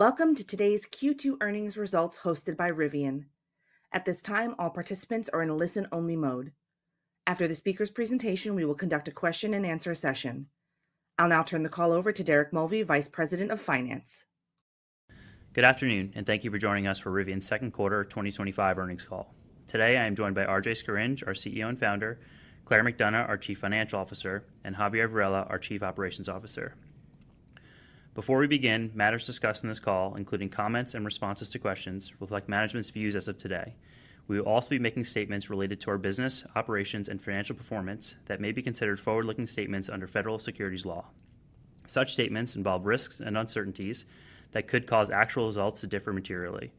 Welcome to today's Q2 earnings results hosted by Rivian. At this time, all participants are in listen only mode. After the speaker's presentation, we will conduct a question and answer session. I'll now turn the call over to Derek Mulvey, Vice President of Finance. Good afternoon and thank you for joining us for Rivian's second quarter 2025 earnings call. Today I am joined by RJ Scaringe, our CEO and Founder, Claire McDonough, our Chief Financial Officer, and Javier Varela, our Chief Operating Officer. Before we begin, matters discussed in this call, including comments and responses to questions, reflect management's views. As of today, we will also be making statements related to our business operations and financial performance that may be considered forward-looking statements under federal securities law. Such statements involve risks and uncertainties that could cause actual results to differ materially.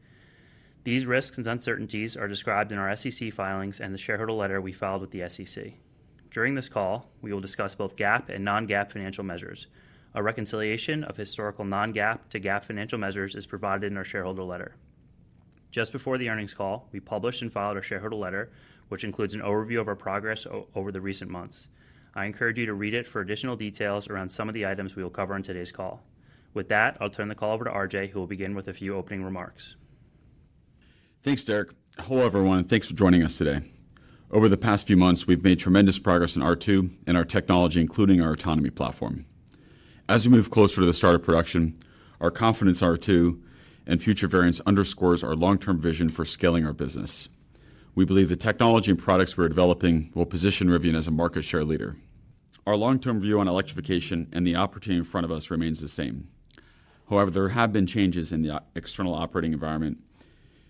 These risks and uncertainties are described in our SEC filings and the shareholder letter we filed with the SEC. During this call we will discuss both GAAP and non-GAAP financial measures. A reconciliation of historical non-GAAP to GAAP financial measures is provided in our shareholder letter. Just before the earnings call, we published and filed our shareholder letter, which includes an overview of our progress over the recent months. I encourage you to read it for additional details around some of the items we will cover in today's call. With that, I'll turn the call over to RJ, who will begin with a few opening remarks. Thanks, Derek. Hello everyone, and thanks for joining us today. Over the past few months, we've made tremendous progress in R2 and our technology, including our autonomy platform. As we move closer to the start of production, our confidence in R2 and future variants underscores our long-term vision for scaling our business. We believe the technology and products we're developing will position Rivian as a market share leader. Our long-term view on electrification and the opportunity in front of us remains the same. However, there have been changes in the external operating environment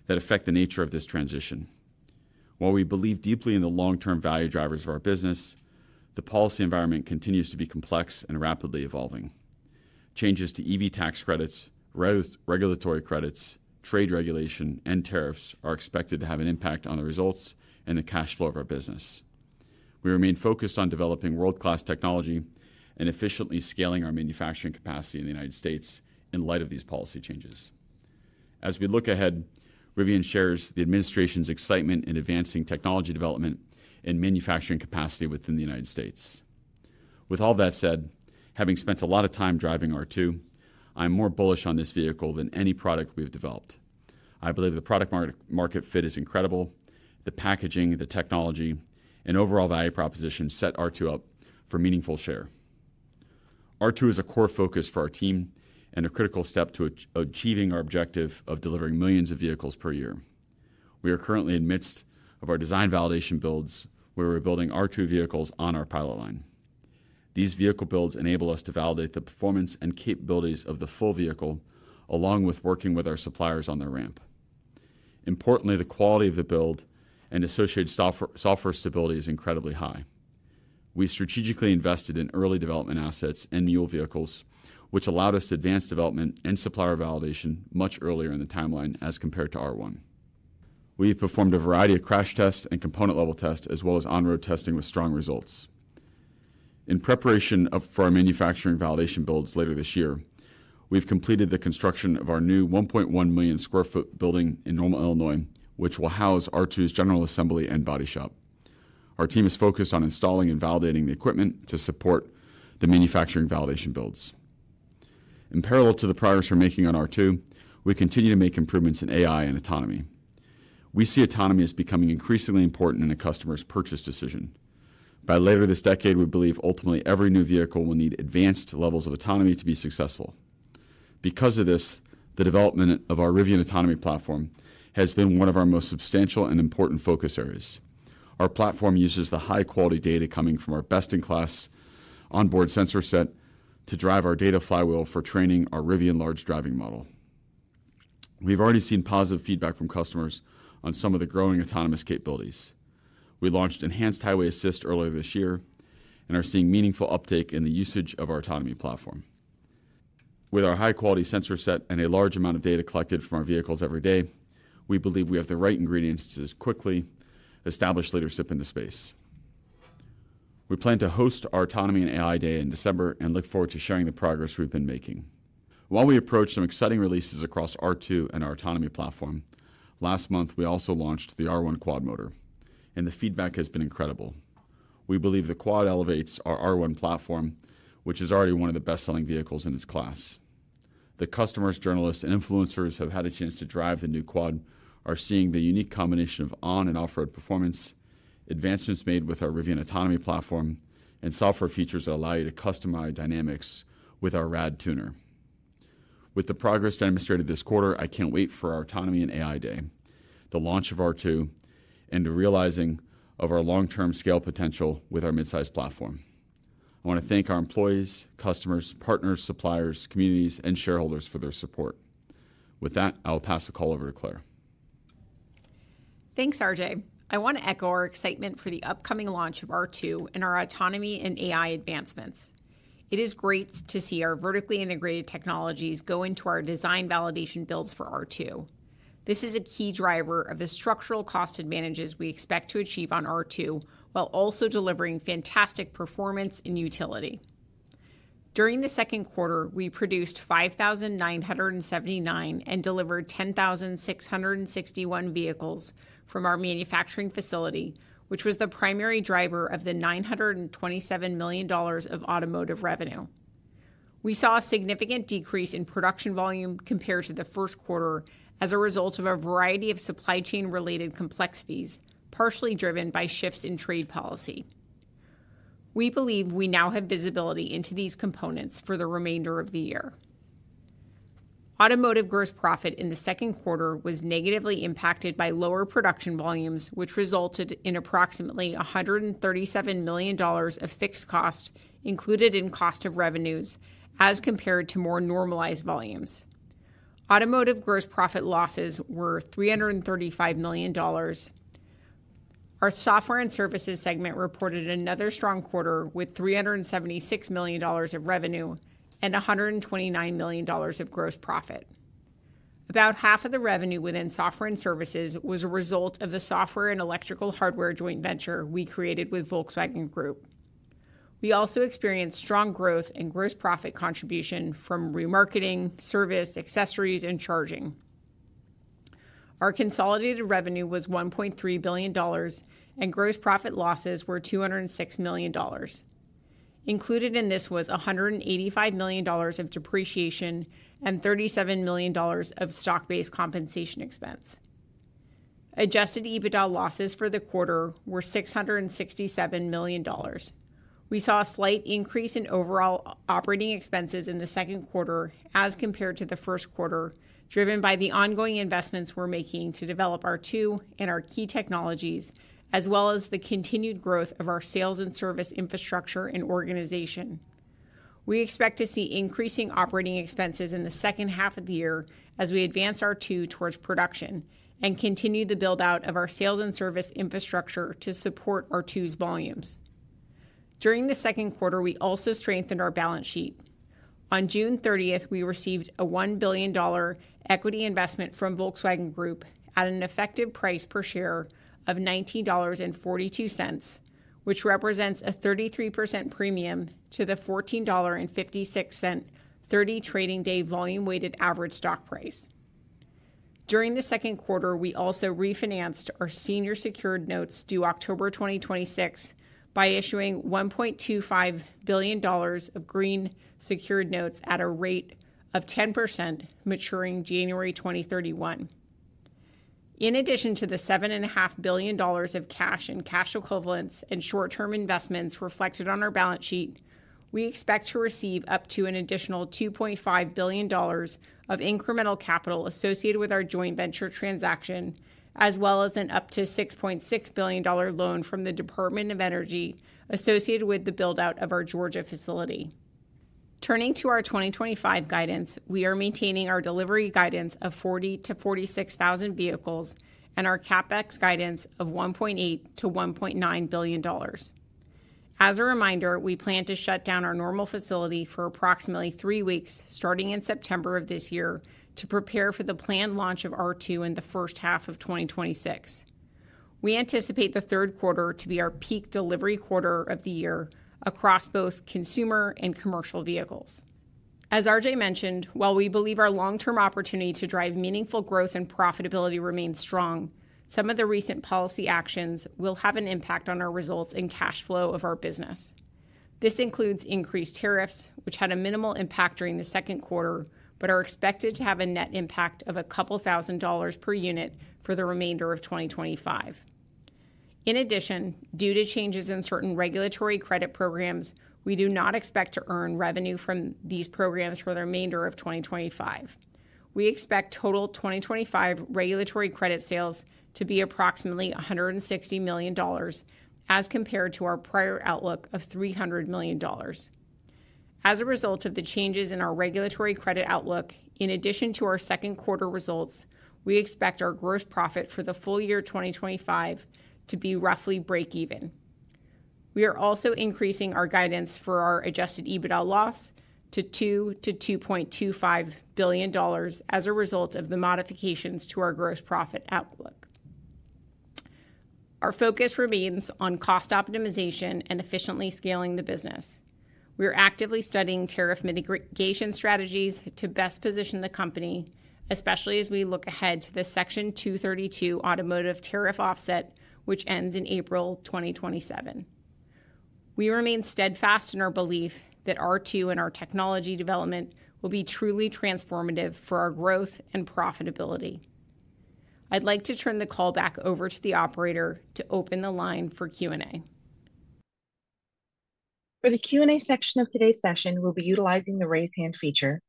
that affect the nature of this transition. While we believe deeply in the long-term value drivers of our business, the policy environment continues to be complex and rapidly evolving. Changes to EV tax credits, regulatory credits, trade regulation, and tariffs are expected to have an impact on the results and the cash flow of our business. We remain focused on developing world-class technology and efficiently scaling our manufacturing capacity in the United States in light of these policy changes. As we look ahead, Rivian Automotive shares the Administration's excitement in advancing technology development and manufacturing capacity within the United States. With all that said, having spent a lot of time driving R2, I'm more bullish on this vehicle than any product we've developed. I believe the product market fit is incredible. The packaging, the technology, and overall value proposition set R2 up for meaningful share. R2 is a core focus for our team and a critical step to achieving our objective of delivering millions of vehicles per year. We are currently in the midst of our design validation builds, where we're building R2 vehicles on our pilot line. These vehicle builds enable us to validate the performance and capabilities of the full vehicle along with working with our suppliers on the ramp. Importantly, the quality of the build and associated software stability is incredibly high. We strategically invested in early development assets and new vehicles, which allowed us advanced development and supplier validation much earlier in the timeline as compared to R1. We performed a variety of crash tests and component-level tests as well as on-road testing with strong results. In preparation for our manufacturing validation builds later this year, we've completed the construction of our new 1.1 million square foot building in Normal, Illinois, which will house R2's general assembly and body shop. Our team is focused on installing and validating the equipment to support the manufacturing validation builds. In parallel to the progress we're making on R2, we continue to make improvements in AI and autonomy. We see autonomy as becoming increasingly important in a customer's purchase decision by later this decade. We believe ultimately every new vehicle will need advanced levels of autonomy to be successful. Because of this, the development of our Rivian Autonomy Platform has been one of our most substantial and important focus areas. Our platform uses the high quality data coming from our best-in-class onboard sensor set to drive our data flywheel for training our Rivian large driving model. We've already seen positive feedback from customers on some of the growing autonomous capabilities. We launched Enhanced Highway Assist earlier this year and are seeing meaningful uptake in the usage of our Autonomy Platform. With our high quality sensor set and a large amount of data collected from our vehicles every day, we believe we have the right ingredients to quickly establish leadership in the space. We plan to host our Autonomy and AI Day in December and look forward to sharing the progress we've been making while we approach some exciting releases across R2 and our Autonomy Patform. Last month, we also launched the R1 Quad Motor and the feedback has been incredible. We believe the Quad elevates our R1 platform, which is already one of the best selling vehicles in its class. The customers, journalists, and influencers who have had a chance to drive the new Quad are seeing the unique combination of on and off-road performance advancements made with our Rivian Autonomy Platform and software features that allow you to customize dynamics with our RAD tuner. With the progress demonstrated this quarter, I can't wait for our Autonomy and AI Day, the launch of R2, and the realizing of our long-term scale potential with our midsize platform. I want to thank our employees, customers, partners, suppliers, communities, and shareholders for their support. With that, I'll pass the call over to Claire. Thanks RJ. I want to echo our excitement for the upcoming launch of R2 and our autonomy and AI advancements. It is great to see our vertically integrated technologies go into our design validation builds for R2. This is a key driver of the structural cost advantages we expect to achieve on R2 while also delivering fantastic performance and utility. During the second quarter, we produced 5,979 and delivered 10,661 vehicles from our manufacturing facility, which was the primary driver of the $927 million of automotive revenue. We saw a significant decrease in production volume compared to the first quarter as a result of a variety of supply chain related complexities, partially driven by shifts in trade policy. We believe we now have visibility into these components for the remainder of the year. Automotive gross profit in the second quarter was negatively impacted by lower production volumes, which resulted in approximately $137 million of fixed cost included in cost of revenues as compared to more normalized volumes. Automotive gross profit losses were $335 million. Our software and services segment reported another strong quarter with $376 million of revenue and $129 million of gross profit. About half of the revenue within software and services was a result of the software and electrical hardware joint venture we created with Volkswagen Group. We also experienced strong growth and gross profit contribution from remarketing, service, accessories, and charging. Our consolidated revenue was $1.3 billion and gross profit losses were $206 million. Included in this was $185 million of depreciation and $37 million of stock-based compensation expense. Adjusted EBITDA losses for the quarter were $667 million. We saw a slight increase in overall operating expenses in the second quarter as compared to the first quarter, driven by the ongoing investments we develop our R2 and our key technologies, as well as the continued growth of our sales and service infrastructure and organization. We expect to see increasing operating expenses in the second half of the year as we advance R2 towards production and continue the build out of our sales and service infrastructure to support R2's volumes during the second quarter. We also strengthened our balance sheet. On June 30th, we received a $1 billion equity investment from Volkswagen Group at an effective price per share of $19.42, which represents a 33% premium to the $14.56 30-trading day volume weighted average stock price during the second quarter. We also refinanced our senior secured notes due October 2026 by issuing $1.25 billion of green secured notes at a rate of 10% maturing January 2031. In addition to the $7.5 billion of cash and cash equivalents and short-term investments reflected on our balance sheet, we expect to receive up to an additional $2.5 billion of incremental capital associated with our joint venture transaction as well as an up to $6.6 billion loan from the Department of Energy associated with the buildout of our Georgia facility. Turning to our 2025 guidance, we are maintaining our delivery guidance of 40,00-46,000 vehicles and our CapEx guidance of $1.8 billion-$1.9 billion. As a reminder, we plan to shut down our Normal facility for approximately three weeks starting in September of this year to prepare for the planned launch of R2 in the first half of 2026. We anticipate the third quarter to be our peak delivery quarter of the year across both consumer and commercial vehicles. As RJ mentioned, while we believe our long-term opportunity to drive meaningful growth and profitability remains strong, some of the recent policy actions will have an impact on our results and cash flow of our business. This includes increased tariffs, which had a minimal impact during the second quarter but are expected to have a net impact of a couple thousand dollars per unit for the remainder of 2025. In addition, due to changes in certain regulatory credit programs, we do not expect to earn revenue from these programs for the remainder of 2025. We expect total 2025 regulatory credit sales to be approximately $160 million as compared to our prior outlook of $300 million. as a result of the changes in our regulatory credit outlook, in addition to our second quarter results, we expect our gross profit for the full year 2025 to be roughly break even. We are also increasing our guidance for our adjusted EBITDA loss to $2 billion-$2.25 billion. As a result of the modifications to our gross profit outlook, our focus remains on cost optimization and efficiently scaling the business. We are actively studying tariff mitigation strategies to best position the company, especially as we look ahead to the Section 232 automotive tariff offset which ends in April 2027. We remain steadfast in our belief that R2 and our technology development will be truly transformative for our growth and profitability. I'd like to turn the call back over to the operator to open the line for Q&A For the Q&A section of today's session, we'll be utilizing the Raise hand feature.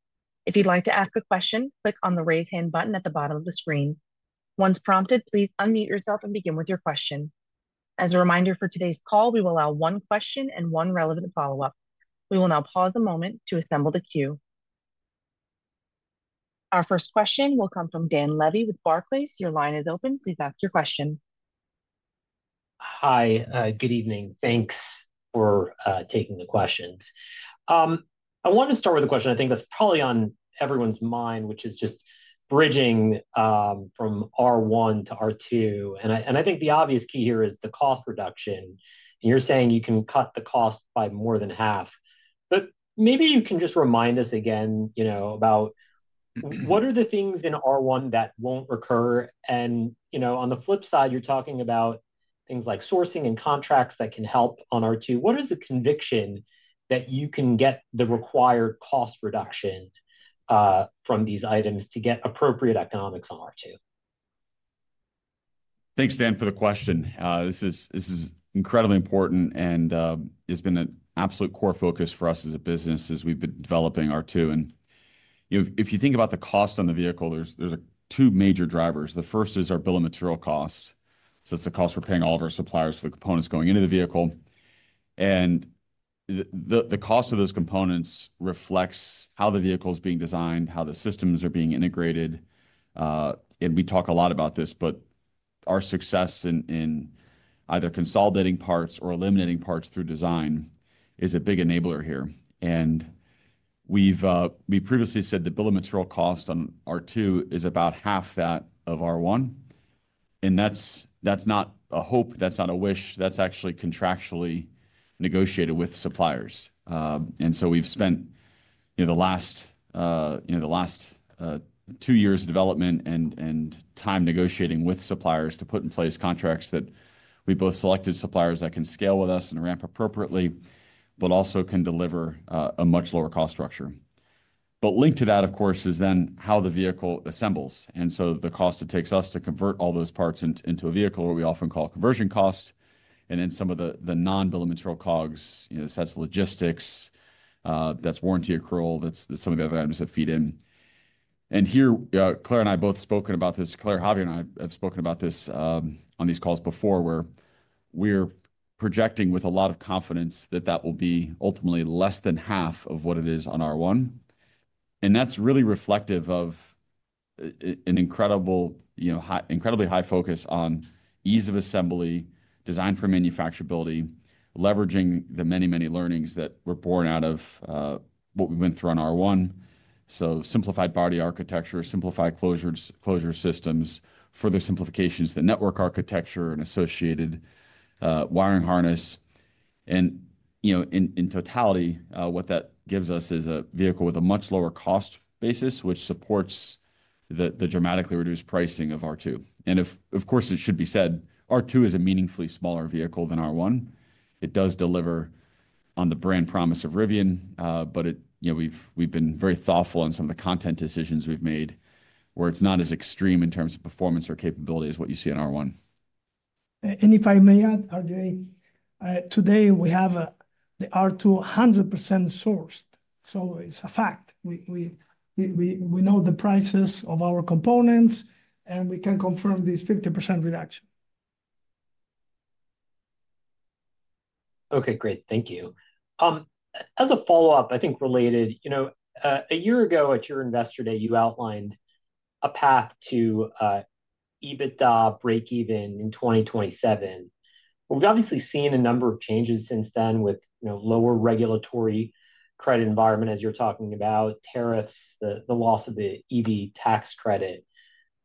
If you'd like to ask a question, click on the Raise hand button at the bottom of the screen. Once prompted, please unmute yourself and begin with your question. As a reminder for today's call, we. will allow one question and one relevant follow-up. We will now pause a moment to assemble the queue. Our first question will come from Dan Levy with Barclays. Your line is open. Please ask your question. Hi, good evening. Thanks for taking the questions. I want to start with a question I think that's probably on everyone's mind, which is just bridging from R1 to R2. I think the obvious key here is the cost reduction. You're saying you can cut the cost by more than half, but maybe you can just remind us again about what are the things in R1 that won't recur. On the flip side, you're talking about things like sourcing and contracts that can help on R2. What is the conviction that you can get the required cost reduction from these items to get appropriate economics on R2? Thanks, Dan, for the question. This is incredibly important and has been an absolute core focus for us as a business as we've been developing R2. If you think about the cost on the vehicle, there are two major drivers. The first is our bill of materials cost. It's the cost we're paying all of our suppliers for the components going into the vehicle. The cost of those components reflects how the vehicle is being designed and how the systems are being integrated. We talk a lot about this. Our success in either consolidating parts or eliminating parts through design is a big enabler here. We previously said the bill of materials cost on R2 is about half that of R1. That's not a hope, that's not a wish, that's actually contractually negotiated with suppliers. We've spent the last two years development and time negotiating with suppliers to put in place contracts that we both selected suppliers that can scale with us and ramp appropriately, but also can deliver a much lower cost structure. Linked to that, of course, is then how the vehicle assembles. The cost it takes us to convert all those parts into a vehicle, what we often call conversion cost. Some of the non bill of materials COGS, that's logistics, that's warranty, accrual, some of the other items that feed in. Claire and I have both spoken about this, Claire, Javier and I have spoken about this on these calls before where we're projecting with a lot of confidence that that will be ultimately less than half of what it is on R1. That's really reflective of an incredibly high focus on ease of assembly, designed for manufacturability, leveraging the many, many learnings that were born out of what we went through on R1. Simplified body architecture, simplified closures, closure systems, further simplifications, the network architecture and associated wiring harness. In totality, what that gives us is a vehicle with a much lower cost basis which supports the dramatically reduced pricing of R2. Of course, it should be said R2 is a meaningfully smaller vehicle than R1. It does deliver on the brand promise of Rivian Automotive. We've been very thoughtful on some of the content decisions we've made where it's not as extreme in terms of performance or capability as what you see in R1. If I may add, RJ today we have the R2 100% sourced. It's a fact we know the prices of our components and we can confirm this 50% reduction. Okay, great, thank you. As a follow up, I think related, you know, a year ago at your investor day you outlined a path to EBITDA break even in 2027. We've obviously seen a number of changes since then with, you know, lower regulatory credit environment as you're talking about tariffs, the loss of the EV tax credit.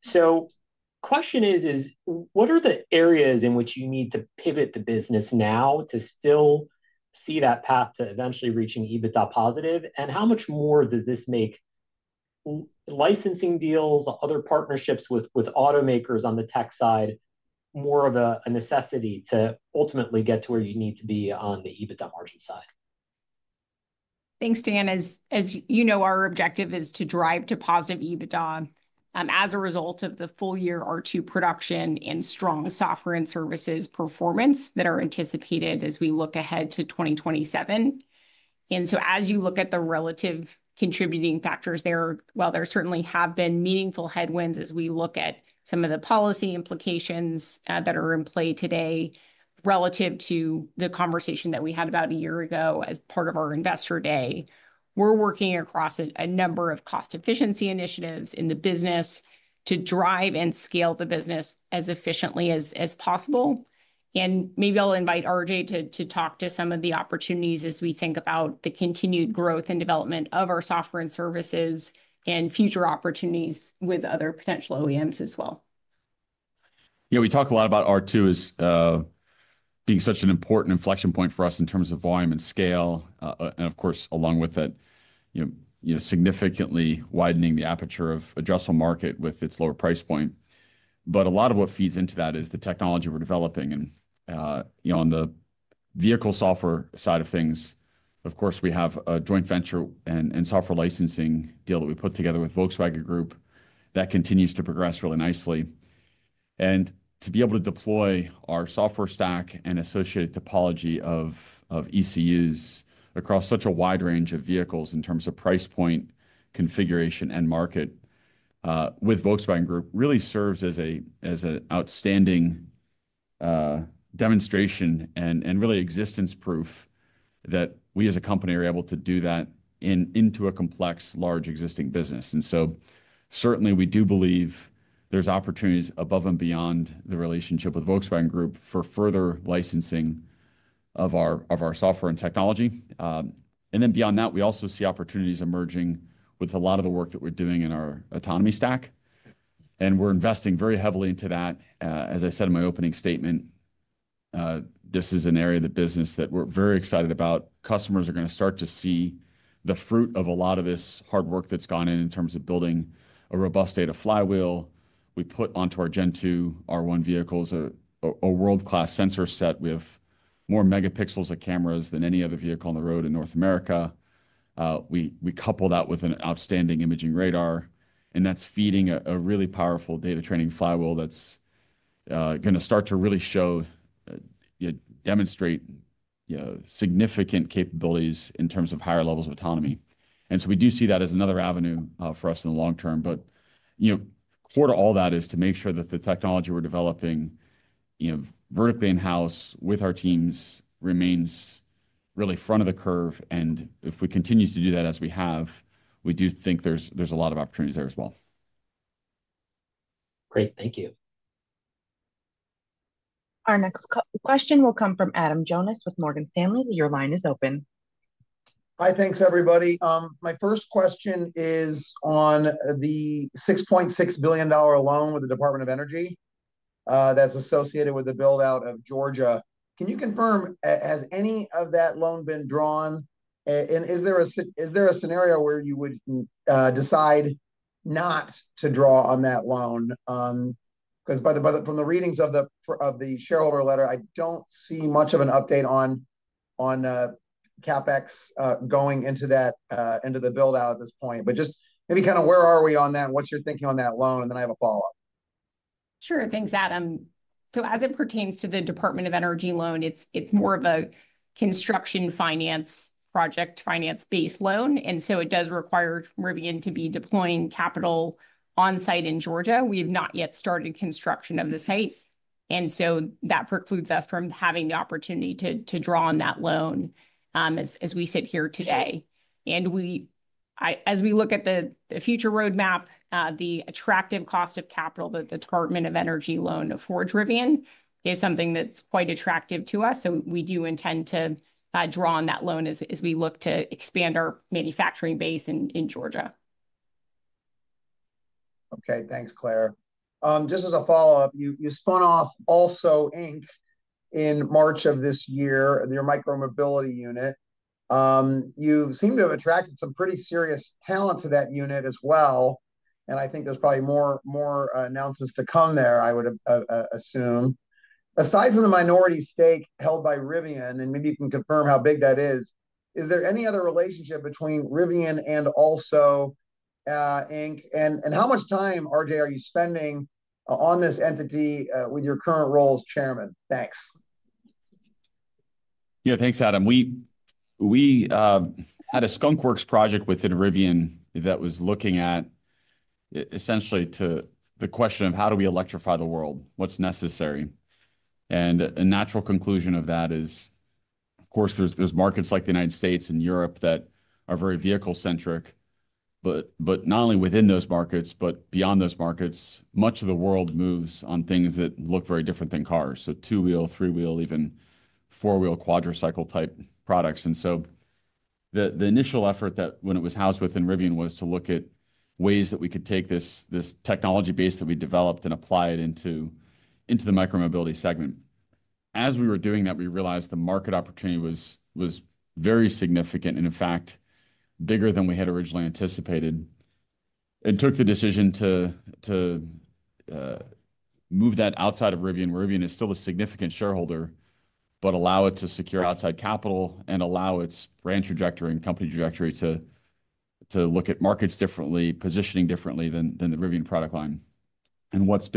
The question is, what are the areas in which you need to pivot the business now to still see that path to eventually reaching EBITDA positive? How much more does this make licensing deals, other partnerships with automakers on the tech side more of a necessity to ultimately get to where you need to be on the EBITDA margin side? Thanks, Dan. As you know, our objective is to drive to positive EBITDA as a result of the full year R2 production and strong software and services performance that are anticipated as we look ahead to 2027. As you look at the relative contributing factors there, while there certainly have been meaningful headwinds as we look at some of the policy implications that are in play today relative to the conversation that we had about a year ago as part of our investor day, we're working across a number of cost efficiency initiatives in the business to drive and scale the business as efficiently as possible. Maybe I'll invite RJ to talk to some of the opportunities as we think about the continued growth and development of our software and services and future opportunities with other potential OEMs as well. Yeah, we talk a lot about R2 as being such an important inflection point for us in terms of volume and scale, and of course along with it, significantly widening the aperture of addressable market with its lower price point. A lot of what feeds into that is the technology we're developing. On the vehicle software side of things, of course we have a joint venture and software licensing deal that we put together with Volkswagen Group that continues to progress really nicely, and to be able to deploy our software stack and associated topology of ECUs across such a wide range of vehicles in terms of price point, configuration, and market with Volkswagen Group really serves as an outstanding demonstration and really existence proof that we as a company are able to do that and into a complex large existing business. We do believe there's opportunities above and beyond the relationship with Volkswagen Group for further licensing of our software and technology. Beyond that, we also see opportunities emerging with a lot of the work that we're doing in our autonomy stack, and we're investing very heavily into that. As I said in my opening statement, this is an area of the business that we're very excited about. Customers are going to start to see the fruit of a lot of this hard work that's gone in in terms of building a robust data flywheel. We put onto our gen 2 R1 vehicles a world class sensor set. We have more megapixels of cameras than any other vehicle on the road in North America. We couple that with an outstanding imaging radar, and that's feeding a really powerful data training flywheel that's going to start to really demonstrate significant capabilities in terms of higher levels of autonomy. We do see that as another avenue for us in the long-term. Core to all that is to make sure that the technology we're developing vertically in house with our teams remains really front of the curve. If we continue to do that as we have, we do think there's a lot of opportunities there as well. Great, thank you. Our next question will come from Adam Jonas with Morgan Stanley. Your line is open. Hi. Thanks everybody. My first question is on the $6.6 billion loan with the Department of Energy that's associated with the build out of Georgia. Can you confirm has any of that loan been drawn? Is there a scenario where you would decide not to draw on that loan? From the readings of the shareholder letter, I don't see much of an update on CapEx going into that end of the build out at this point. Just maybe kind of where are we on that? What's your thinking on that loan? I have a follow up. Sure. Thanks, Adam. As it pertains to the Department of Energy loan, it's more of a construction finance, project finance-based loan, and it does require Rivian to be deploying capital on site in Georgia. We have not yet started construction of this site, and that precludes us from having the opportunity to draw on that loan as we sit here today. As we look at the future roadmap, the attractive cost of capital that the Department of Energy loan for Rivian is something that's quite attractive to us. We do intend to draw on that loan as we look to expand our manufacturing base in Georgia. Okay, thanks, Claire. Just as a follow up, you spun of a Also, Inc in March of this year, your micro mobility unit. You seem to have attracted some pretty serious talent to that unit as well. I think there's probably more announcements to come there, I would assume, aside from the minority stake held by Rivian, and maybe you can confirm how big that is. Is there any other relationship between Rivian and Also, Inc? How much time, RJ, are you spending on this entity with your current role as Chairman? Thanks. Yeah, thanks Adam. We had a skunk works project within Rivian that was looking at essentially to the question of how do we electrify the world? What's necessary. A natural conclusion of that is of course there's markets like the United States and Europe that are very vehicle centric, but not only within those markets, but beyond those markets. Much of the world moves on things that look very different than cars. Two wheel, three wheel, even four wheel quadricycle type products. The initial effort that when it was housed within Rivian was to look at ways that we could take this technology base that we developed and apply it into the micro mobility segment. As we were doing that, we realized the market opportunity was very significant and in fact bigger than we had originally anticipated. It took the decision to move that outside of Rivian where Rivian is still a significant shareholder, but allow it to secure outside capital and allow its brand trajectory and company trajectory to look at markets differently, positioning differently than the Rivian product line. What's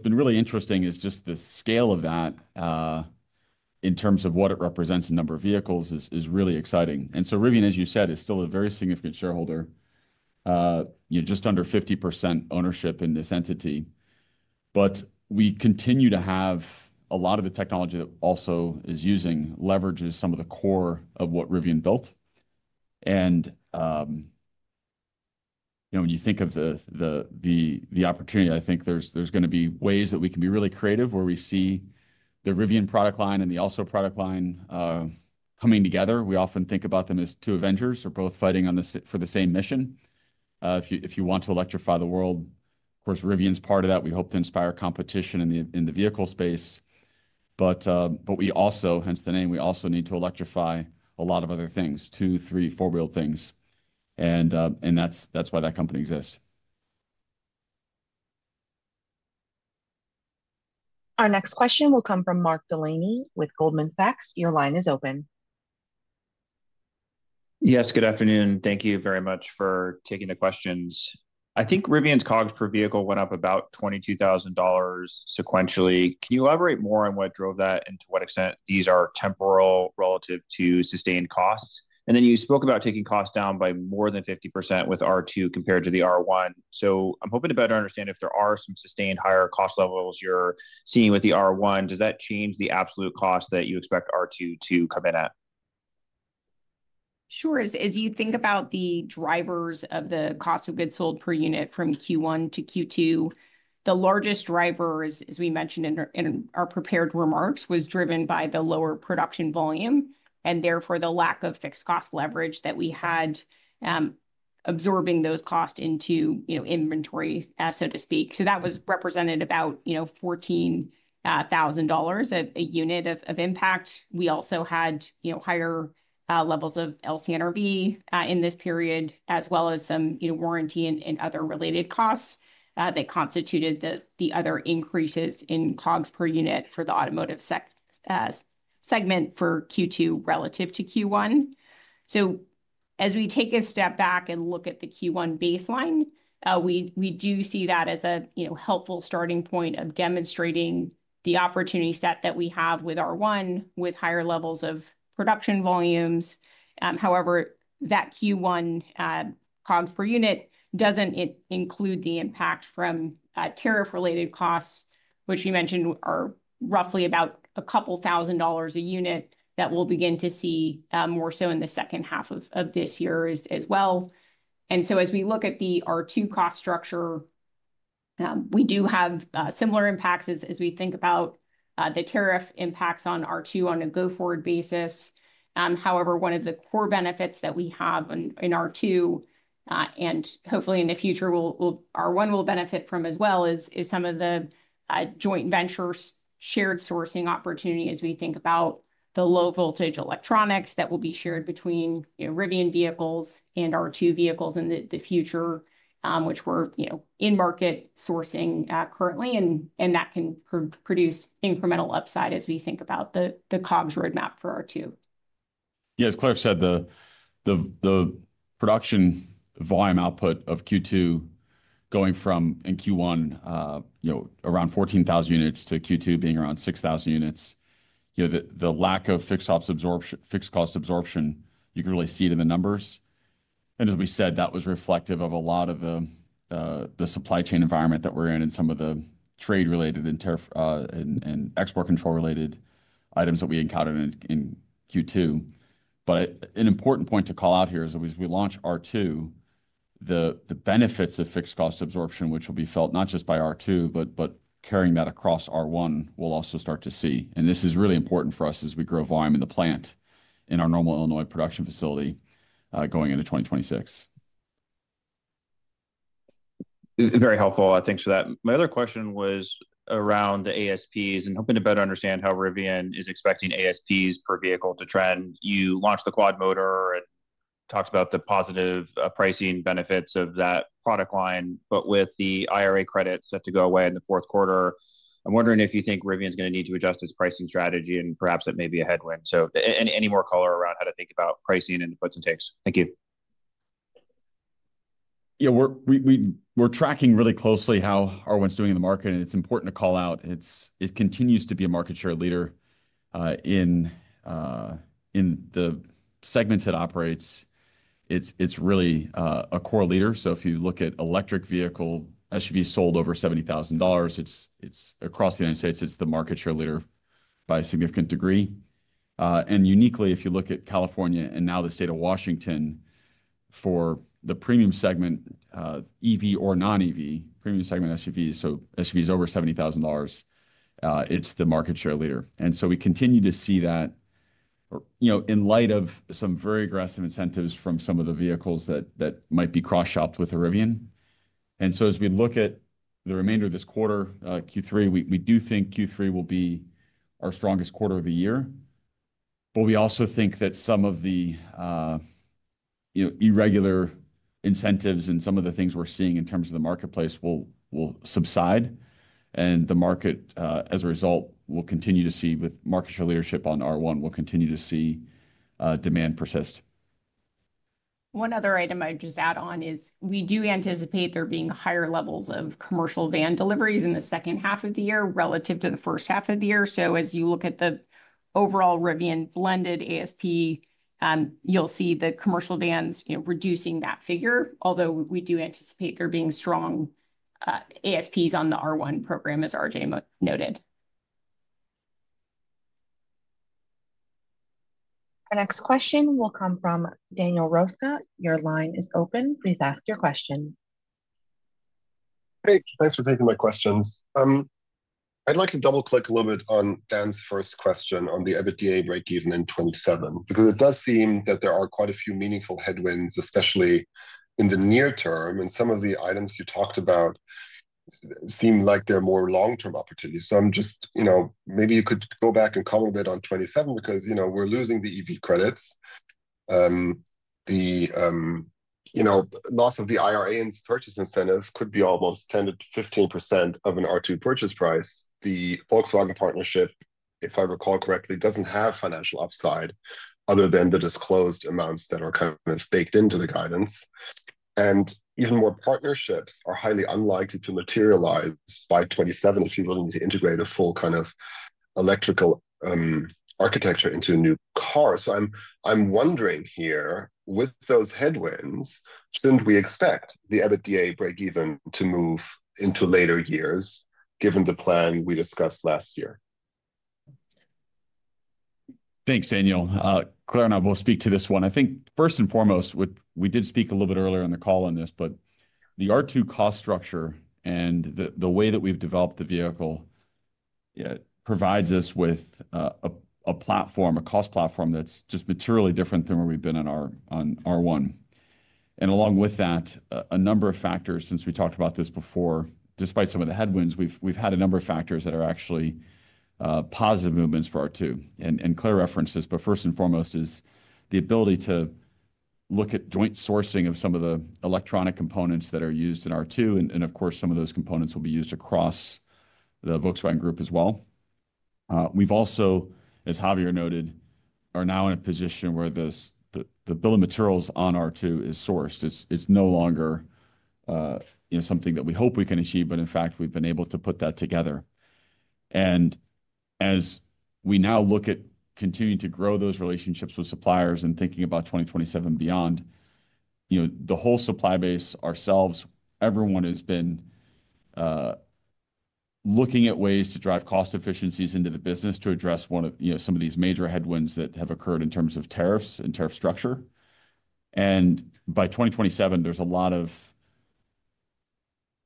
been really interesting is just the scale of that in terms of what it represents, the number of vehicles is really exciting. Rivian, as you said, is still a very significant shareholder, just under 50% ownership in this entity. We continue to have a lot of the technology that also is using, leverages some of the core of what Rivian built. When you think of the opportunity, I think there's going to be ways that we can be really creative where we see the Rivian product line and the also product line coming together. We often think about them as two avengers or both fighting for the same mission. If you want to electrify the world, of course Rivian's part of that. We hope to inspire competition in the vehicle space, but we also, hence the name, we also need to electrify a lot of other things, two, three, four wheeled things, and that's why that company exists. Our next question will come from Mark Delaney with Goldman Sachs. Your line is open. Yes, good afternoon. Thank you very much for taking the questions. I think Rivian's COGS per vehicle went up about $22,000 sequentially. Can you elaborate more on what drove that and to what extent these are temporal relative to sustained costs? You spoke about taking costs down by more than 50% with R2 compared to the R1. I'm hoping to better understand if there are some sustained higher cost levels you're seeing with the R1. Does that change the absolute cost that you expect R2 to come in at? Sure. As you think about the drivers of the cost of goods sold per unit from Q1 to Q2, the largest driver, as we mentioned in our prepared remarks, was driven by the lower production volume and therefore the lack of fixed cost leverage that we had absorbing those costs into inventory, so to speak. That was represented by about $14,000 a unit of impact. We also had higher levels of LCNRV in this period as well as some warranty and other related costs that constituted the other increases in COGS per unit for the automotive sector segment for Q2 relative to Q1. As we take a step back and look at the Q1 baseline, we do see that as a helpful starting point of demonstrating the opportunity set that we have with R1 with higher levels of production volumes. However, that Q1 COGS per unit doesn't include the impact from tariff related costs, which you mentioned are roughly about a couple thousand dollars a unit. That will begin to be seen more so in the second half of this year as well. As we look at the R2 cost structure, we do have similar impacts as we think about the tariff impacts on R2 on a go forward basis. However, one of the core benefits that we have in R2 and hopefully in the future R1 will benefit from as well is some of the joint ventures shared sourcing opportunity. As we think about the low voltage electronics that will be shared between Rivian vehicles and R2 vehicles in the future, which we're in market sourcing currently, that can produce incremental upside as we think about the COGS roadmap for R2. Yeah, as Claire said, the production volume output of Q2 going from in Q1 around 14,000 units to Q2 being around 6,000 units, the lack of fixed cost absorption, you can really see it in the numbers. As we said, that was reflective of a lot of the supply chain environment that we're in and some of the trade related and export control related items that we encountered in Q2. An important point to call out here is that as we launch R2, the benefits of fixed cost absorption, which will be felt not just by R2 but carrying that across R1, we'll also start to see, and this is really important for us as we grow volume in the plant in our Normal, Illinois production facility going into 2026. Very helpful, thanks for that. My other question was around the ASPs and hoping to better understand how Rivian is expecting ASPs per vehicle to trend. You launched the Quad Motor and talked about the positive pricing benefits of that product line. With the IRA credit set to go away in the fourth quarter, I'm wondering if you think Rivian is going to need to adjust its pricing strategy and perhaps that may be a headwind. Any more color around how to think about pricing and puts and takes. Thank you. Yeah, we're tracking really closely how R1's doing in the market and it's important to call out. It continues to be a market share leader in the segments it operates. It's really a core leader. If you look at electric vehicle SUVs sold over $70,000, it's across the United States, it's the market share leader by a significant degree, and uniquely, if you look at California and now the state of Washington for the premium segment EV or non-EV, premium segment SUV, so SUVs over $70,000, it's the market share leader. We continue to see that in light of some very aggressive incentives from some of the vehicles that might be cross-shopped with Rivian. As we look at the remainder of this quarter, Q3, we do think Q3 will be our strongest quarter of the year. We also think that some of the irregular incentives and some of the things we're seeing in terms of the marketplace will subside, and the market as a result will continue to see, with market share leadership on R1, will continue to see demand persist. One other item I'd just add on is we do anticipate there being higher levels of commercial van deliveries in the second half of the year relative to the first half of the year. As you look at the overall Rivian blended ASP, you'll see the commercial vans reducing that figure, although we do anticipate there being strong ASPs on the R1 program, as RJ noted. Our next question will come from Daniel Roeska, your line is open. Please ask your question. Hey, thanks for taking my questions. I'd like to double click a little bit on Dan's first question on the EBITDA break even in 2027 because it does seem that there are quite a few meaningful headwinds, especially in the near term and some of the items you talked about seem like they're more long-term opportunities. I'm just, you know, maybe you could go back and comment a bit on 2027 because, you know, we're losing the EV credits. The, you know, loss of the IRA purchase incentive could be almost 10%-15% of an R2 purchase price. The Volkswagen Group partnership, if I recall correctly, doesn't have financial upside other than the disclosed amounts that are kind of baked into the guidance. Even more partnerships are highly unlikely to materialize by 2027 if you will need to integrate a full kind of electrical architecture into a new car. I'm wondering here, with those headwinds, shouldn't we expect the EBITDA break even to move into later years given the plan we discussed last year? Thanks, Daniel. Claire and I both speak to this one. I think first and foremost we did speak a little bit earlier on the call on this, but the R2 cost structure and the way that we've developed the vehicle provides us with a platform, a cost platform that's just materially different than where we've been in R1. Along with that, a number of factors since we talked about this before, despite some of the headwinds, we've had a number of factors that are actually positive movements for R2 and Claire references. First and foremost is the ability to look at joint sourcing of some of the electronic components that are used in R2. Of course, some of those components will be used across the Volkswagen Group as well. We've also, as Javier noted, are now in a position where the bill of materials on R2 is sourced. It's no longer something that we hope we can achieve, but in fact we've been able to put that together. As we now look at continuing to grow those relationships with suppliers and thinking about 2027 and beyond, the whole supply base ourselves, everyone has been looking at ways to drive cost efficiencies into the business to address some of these major headwinds that have occurred in terms of tariffs structure. By 2027, there's a lot of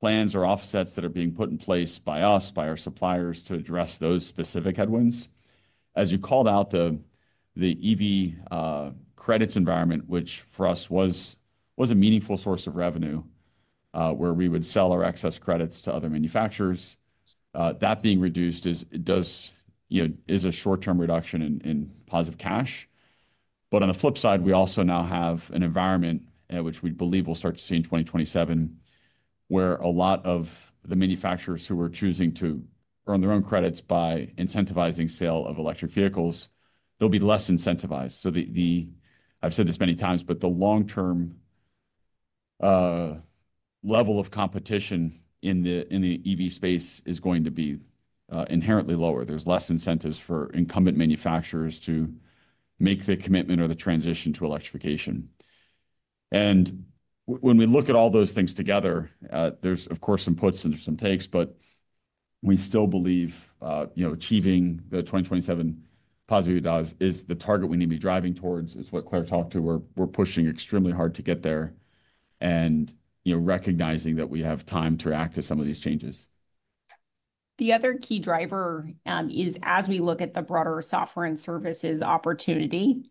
plans or offsets that are being put in place by us, by our suppliers to address those specific headwinds. As you called out, the EV credits environment, which for us was a meaningful source of revenue where we would sell our excess credits to other manufacturers, that being reduced does, you know, is a short-term reduction in positive cash. On the flip side, we also now have an environment which we believe we'll start to see in 2027, where a lot of the manufacturers who were choosing to earn their own credits by incentivizing sale of electric vehicles, they'll be less incentivized. I've said this many times, but the long-term level of competition in the EV space is going to be inherently lower. There's less incentives for incumbent manufacturers to make the commitment or the transition to electrification. When we look at all those things together, there's of course some puts and some takes, but we still believe, you know, achieving the 2027 positive EBITDA is the target we need to be driving towards, is what Claire talked to, where we're pushing extremely hard to get there and recognizing that we have time to react to some of these changes. The other key driver is as we look at the broader software and services opportunity,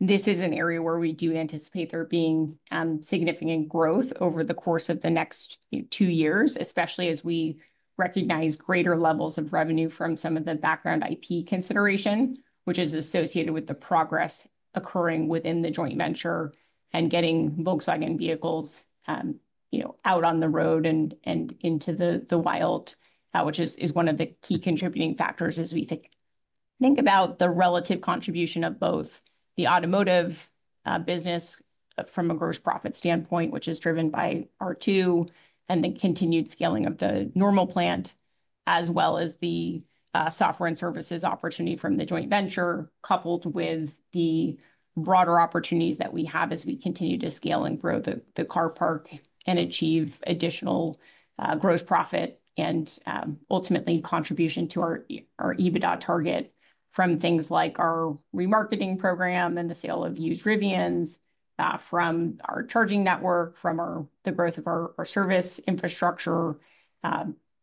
this is an area where we do anticipate there being significant growth over the course of the next two years, especially as we recognize greater levels of revenue from some of the background IP consideration which is associated with the progress occurring within the joint venture and getting Volkswagen vehicles out on the road and into the wild, which is one of the key contributing factors as we think about the relative contribution of both the automotive business from a gross profit standpoint, which is driven by R2 and the continued scaling of the Normal plant as well as the software and services opportunity from the joint venture coupled with the broader opportunities that we have as we continue to scale and grow the car park and achieve additional gross profit and ultimately contribution to our EBITDA target from things like our remarketing program and the sale of used Rivians from our charging network, from the growth of our service infrastructure,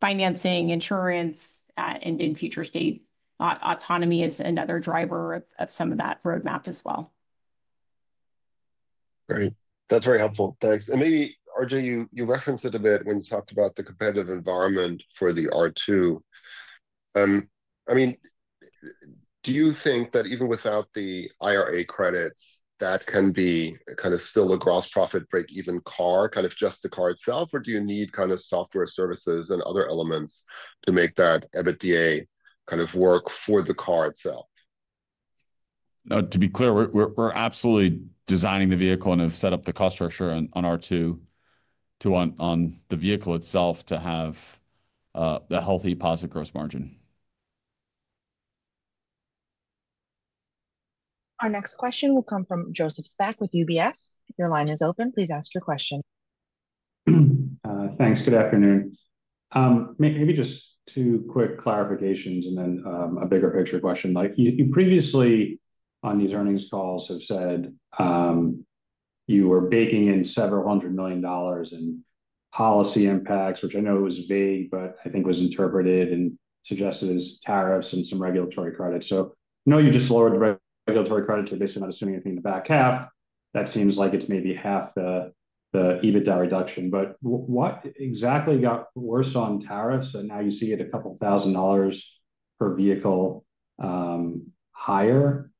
financing, insurance, and in future state autonomy is another driver of some of that roadmap as well. Great, that's very helpful. Thanks. Maybe RJ, you referenced it a bit when you talked about the competitive environment for the R2. Do you think that even without the IRA credits that can be kind of still a gross profit, break even car, kind of just the car itself, or do you need kind of software, services, and other elements to make that EBITDA kind of work for the car itself? Now to be clear, we're absolutely designing the vehicle and have set up the cost structure on R2 on the vehicle itself to have the healthy positive gross margin. Our next question will come from Joseph Spak with UBS. Your line is open. Please ask your question. Thanks. Good afternoon. Maybe just two quick clarifications and then a bigger picture question. Like you previously on these earnings calls have said you were baking in several hundred million dollars in policy impacts, which I know was vague, but I think was interpreted and suggested as tariffs and some regulatory credit. Knowing you just lowered regulatory credit to this and not assuming anything in the back half, that seems like it's maybe half the EBITDA reduction. What exactly got worse on tariffs and now you see it a couple thousand dollars per vehicle higher?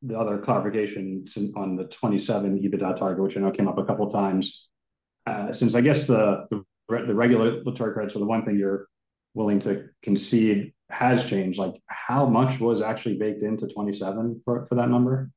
The other clarification on the 2027 EBITDA target, which I know came up a couple times since I guess the regulatory credits are the one thing you're willing to concede has changed. How much was actually baked into 2027 for that number?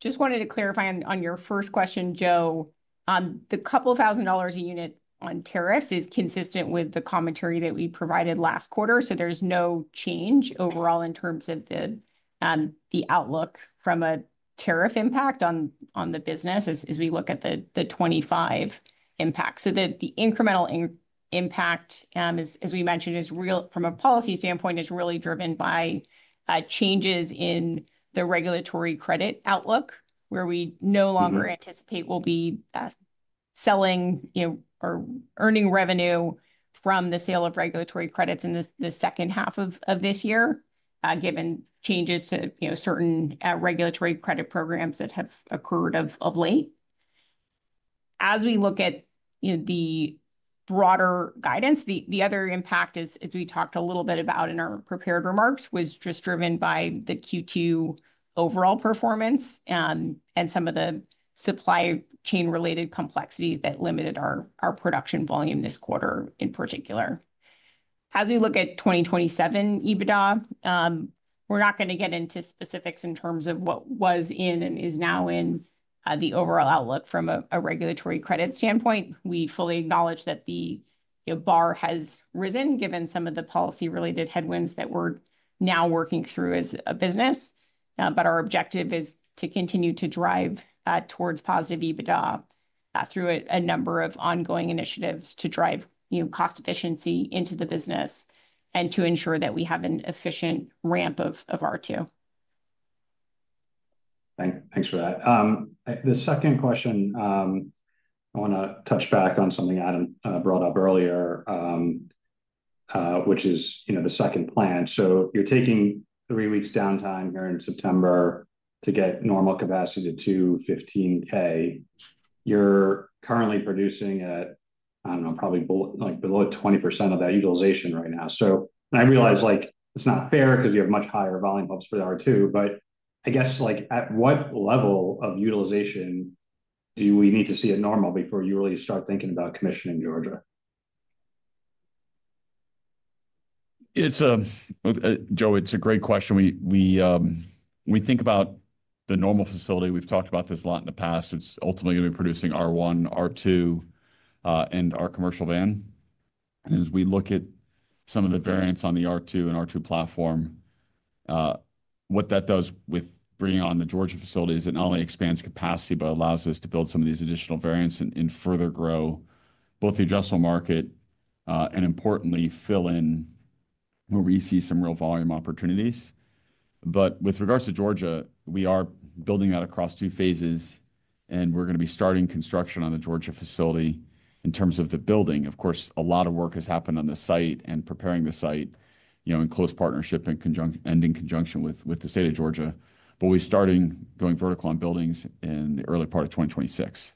Just wanted to clarify on your first question, Joe. The couple thousand dollars a unit on tariffs is consistent with the commentary that we provided last quarter. There's no change overall in terms of the outlook from a tariff impact on the business as we look at the 2025 impact. The incremental impact, as we mentioned from a policy standpoint, is really driven by changes in the regulatory credit outlook where we no longer anticipate we'll be selling or earning revenue from the sale of regulatory credits in the second half of this year given changes to certain regulatory credit programs that have occurred of late. As we look at the broader guidance, the other impact, as we talked a little bit about in our prepared remarks, was just driven by the Q2 overall performance and some of the supply chain related complexities that limited our production volume this quarter. In particular, as we look at 2027 EBITDA, we're not going to get into specifics in terms of what was in and is now in the overall outlook from a regulatory credit standpoint. We fully acknowledge that the bar has risen given some of the policy-related headwinds that we're now working through as a business. Our objective is to continue to drive towards positive EBITDA through a number of ongoing initiatives to drive cost efficiency into the business and to ensure that we have an efficient ramp of R2. Thanks for that. The second question, I want to touch back on something Adam brought up earlier, which is the second plan. You're taking three weeks downtime here in September to get Normal capacity to 15,000. You're currently producing at, I don't know, probably below 20% of that utilization right now. I realize it's not fair because you have much higher volume ups for the R2, but I guess at what level of utilization do we need to see at Normal before you really start thinking about commissioning Georgia? It's a great question. We think about the Normal facility. We've talked about this a lot in the past. It's ultimately going to be producing R1, R2, and our commercial van. As we look at some of the variants on the R2 and R2 platform, what that does with bringing on the Georgia facilities is it not only expands capacity, but allows us to build some of these additional variants and further grow both the industrial market and, importantly, fill in where we see some real volume opportunities. With regards to Georgia, we are building that across two phases and we're going to be starting construction on the Georgia facility. In terms of the building, of course, a lot of work has happened on the site and preparing the site, in close partnership and in conjunction with the state of Georgia. We're starting going vertical on buildings in the early part of 2026.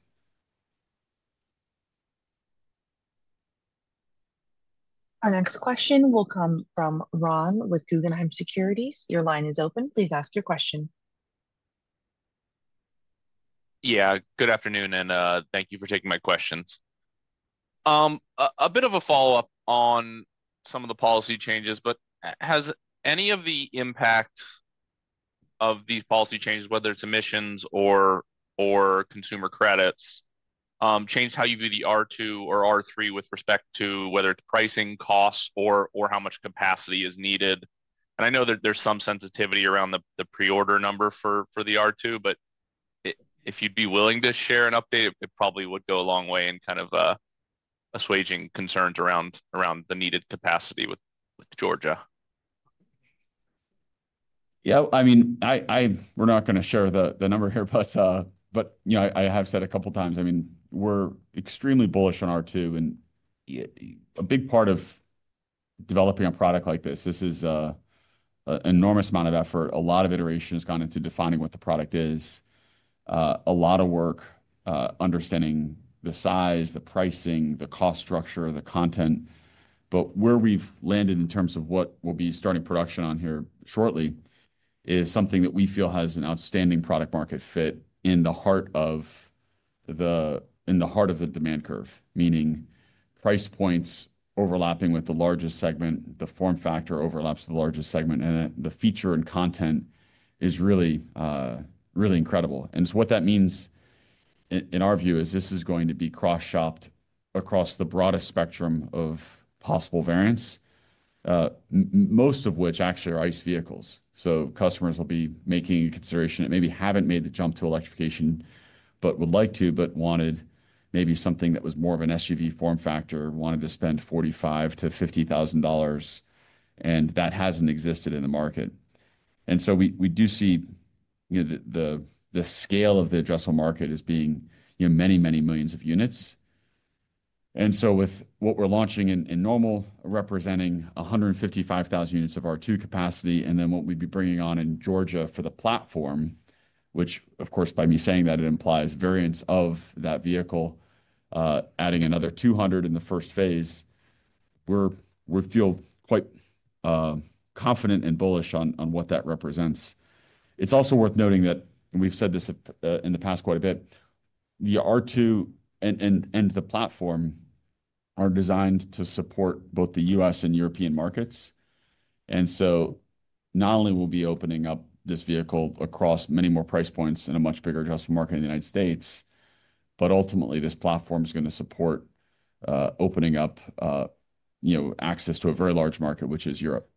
Our next question will come from Ron with Guggenheim Securities. Your line is open. Please ask your question. Good afternoon and thank you for taking my questions. A bit of a follow up on some of the policy changes, but has any of the impact of these policy changes, whether it's emissions or consumer. Credits, changed how you view the R2 or R3 with respect to whether it's pricing, costs, or how much capacity is needed. I know that there's some sensitivity around the pre-order number for the R2, but if you'd be willing to share an update, it probably would go a long way in kind of assuaging concerns around the needed capacity with Georgia. Yeah, I mean we're not going to share the number here, but I have said a couple times, we're extremely bullish on R2 and a big part of developing a product like this is an enormous amount of effort. A lot of iteration has gone into defining what the product is. A lot of work understanding the size, the pricing, the cost structure, the content. Where we've landed in terms of what we'll be starting production on here shortly is something that we feel has an outstanding product market fit in the heart of the demand curve, meaning price points overlapping with the largest segment, the form factor overlaps with the largest segment, and the feature and content is really, really incredible. What that means in our view is this is going to be cross-shopped across the broadest spectrum of possible variants, most of which actually are ICE vehicles. Customers will be making a consideration that maybe haven't made the jump to electrification but would like to, but wanted maybe something that was more of an SUV form factor, wanted to spend $45,000-$50,000, and that hasn't existed in the market. We do see the scale of the addressable market as being, you know, many, many millions of units. With what we're launching in Normal representing 155,000 units of R2 capacity and then what we'd be bringing on in Georgia for the platform, which of course by me saying that it implies variants of that vehicle, adding another 200,000 in the first phase, we feel quite confident and bullish on what that represents. It's also worth noting that we've said this in the past quite a bit. The R2 and the platform are designed to support both the U.S. and European markets. Not only will we be opening up this vehicle across many more price points in a much bigger addressable market in the United States, but ultimately this platform is going to support opening up access to a very large market which is European.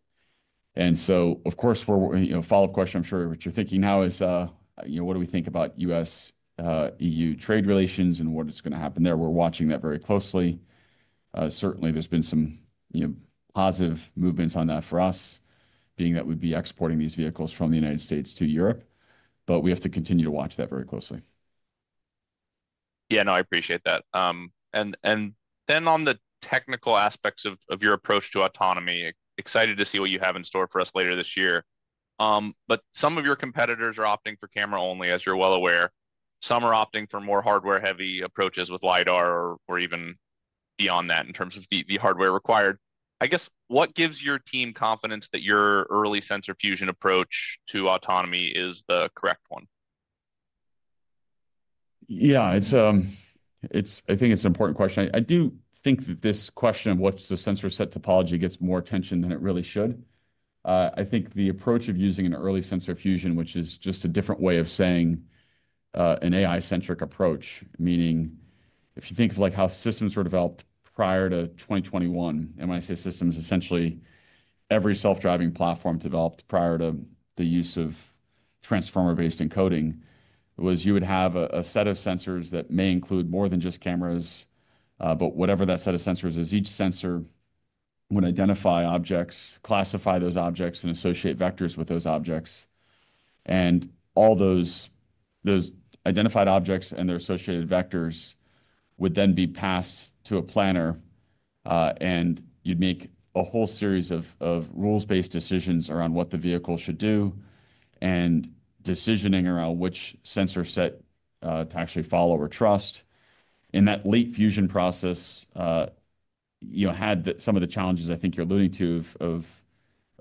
Of course, follow up question, I'm sure what you're thinking now is, you know, what do we think about U.S. EU trade relations and what is going to happen there? We're watching that very closely. Certainly there's been some, you know, positive movements on that for us being that we'd be exporting these vehicles from the United States to Europe. We have to continue to watch that very closely. Yeah, no, I appreciate that. On the technical aspects of your approach to autonomy, excited to see what you have in store for us later this year. Some of your competitors are opting for camera only, as you're well aware. Some are opting for more hardware heavy approaches with LiDAR or even beyond that. In terms of the hardware required. I guess what gives your team confidence that your early sensor fusion approach to autonomy is the correct one? It's an important question. I do think that this question of what's the sensor set topology gets more attention than it really should. I think the approach of using an early sensor fusion, which is just a different way of saying an AI centric approach, meaning if you think of how systems were developed prior to 2021, MIT systems, essentially every self-driving platform developed prior to the use of transformer-based encoding was you would have a set of sensors that may include more than just cameras, but whatever that set of sensors is, each sensor would identify objects, classify those objects, and associate vectors with those objects. All those identified objects and their associated vectors would then be passed to a planner and you'd make a whole series of rules-based decisions around what the vehicle should do and decisioning around which sensor set to actually follow or trust. In that late fusion process, you had some of the challenges I think you're alluding to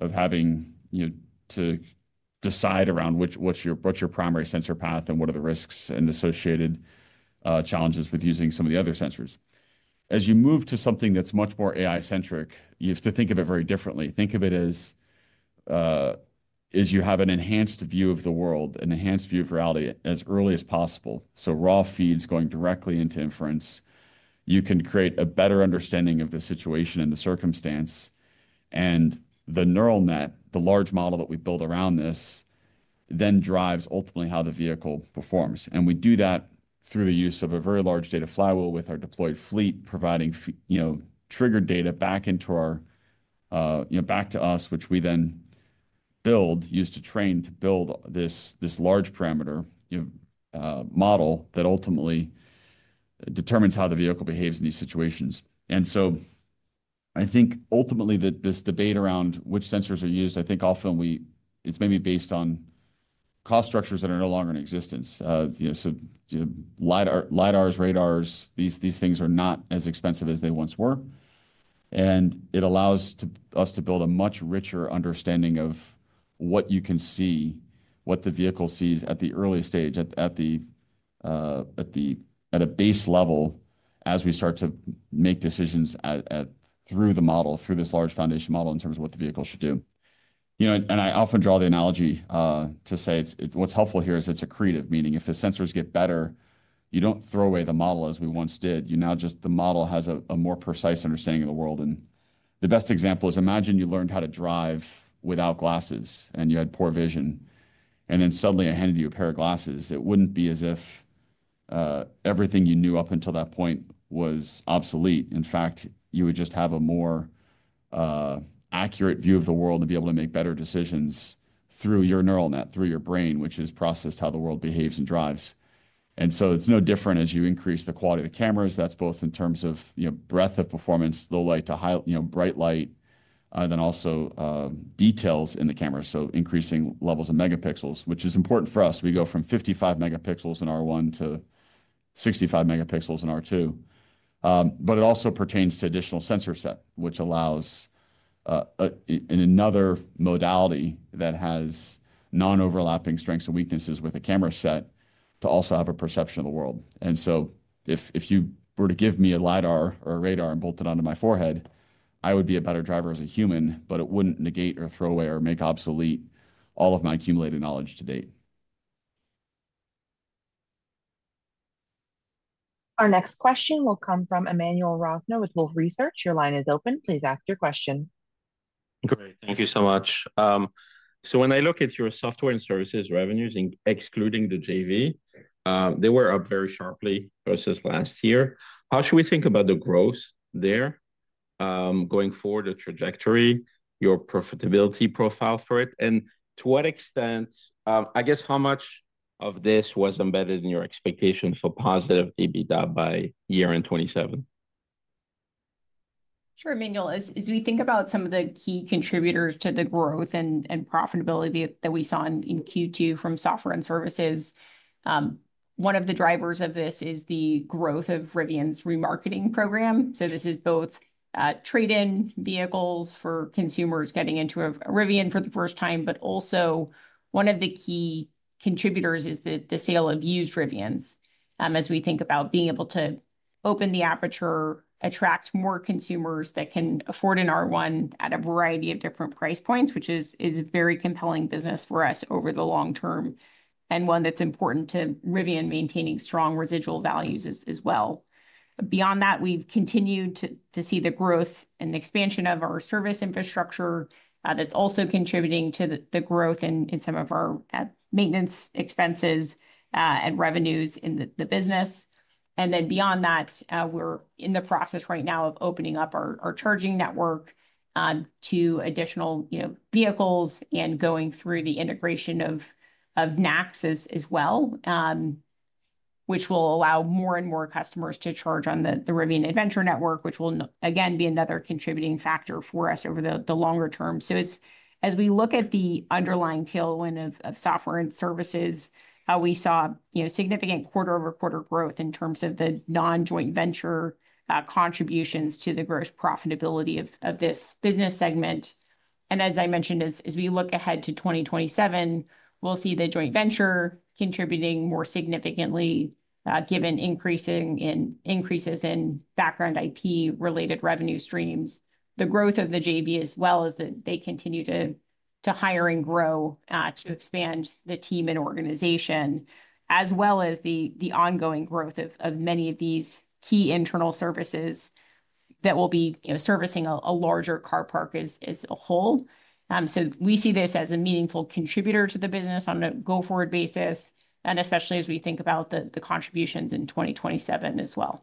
of having to decide around what's your primary sensor path and what are the risks and associated challenges with using some of the other sensors. As you move to something that's much more AI-centric, you have to think of it very differently. Think of it as you have an enhanced view of the world, an enhanced view of reality as early as possible. RAW feeds going directly into inference, you can create a better understanding of the situation and the circumstance. The neural net, the large model that we build around this, then drives ultimately how the vehicle performs. We do that through the use of a very large data flywheel with our deployed fleet providing triggered data back to us, which we then use to train to build this large parameter model that ultimately determines how the vehicle behaves in these situations. I think ultimately this debate around which sensors are used, I think often it's maybe based on cost structures that are no longer in existence. Lidars, radars, these things are not as expensive as they once were. It allows us to build a much richer understanding of what you can see, what the vehicle sees at the early stage, at a base level, as we start to make decisions through the model, through this large foundation model in terms of what the vehicle should do. I often draw the analogy to say what's helpful here is it's accretive, meaning if the sensors get better, you don't throw away the model as we once did. The model has a more precise understanding of the world. The best example is imagine you learned how to drive without glasses and you had poor vision and then suddenly I handed you a pair of glasses. It wouldn't be as if everything you knew up until that point was obsolete. In fact, you would just have a more accurate view of the world to be able to make better decisions through your neural net, through your brain which is processed how the world behaves and drives. It is no different as you increase the quality of the cameras. That's both in terms of breadth of performance, low light to bright light, then also details in the camera. Increasing levels of megapixels, which is important for us, we go from 55 megapixels in R1 to 65 megapixels in R2. It also pertains to additional sensor set which allows another modality that has non-overlapping strengths and weaknesses with a camera set to also have a perception of the world. If you were to give me a lidar or a radar and bolt it onto my forehead, I would be a better driver as a human, but it wouldn't negate or throw away or make obsolete all of my accumulated knowledge to date. Our next question will come from Emmanuel Rosner with Wolfe Research. Your line is open. Please ask your question. Great, thank you so much. When I look at your software services revenues, excluding the JV, they. We're up very sharply versus last year. How should we think about the growth there going forward? The trajectory, your profitability profile for it, and to what extent, I guess, how much of this was embedded in your. Expectation for positive EBITDA by year end 2027. Sure, Emanuel, as we think about some of the key contributors to the growth and profitability that we saw in Q2 from software and services, one of the drivers of this is the growth of Rivian's remarketing program. This is both trade-in vehicles for consumers getting into a Rivian for the first time, but also one of the key contributors is the sale of used Rivians as we think about being able to open the aperture, attract more consumers that can afford an R1 at a variety of different price points, which is a very compelling business for us over the long-term and one that's important to Rivian, maintaining strong residual values as well. Beyond that, we've continued to see the growth and expansion of our service infrastructure that's also contributing to the growth in some of our maintenance expenses and revenues in the business. We are in the process right now of opening up our charging network to additional vehicles and going through the integration of NACS as well, which will allow more and more customers to charge on the Rivian Adventure Network, which will again be another contributing factor for us over the longer term. As we look at the underlying tailwind of software and services, we saw significant quarter-over-quarter growth in terms of the non-joint venture contributions to the gross profitability of this business segment. As I mentioned, as we look ahead to 2027, we'll see the joint venture contributing more significantly given increases in background IP-related revenue streams. The growth of the JV as well is that they continue to hire and grow to expand the team and organization as well as the ongoing growth of many of these key internal services that will be servicing a larger car park as a whole. We see this as a meaningful contributor to the business on a go-forward basis and especially as we think about the contributions in 2027 as well.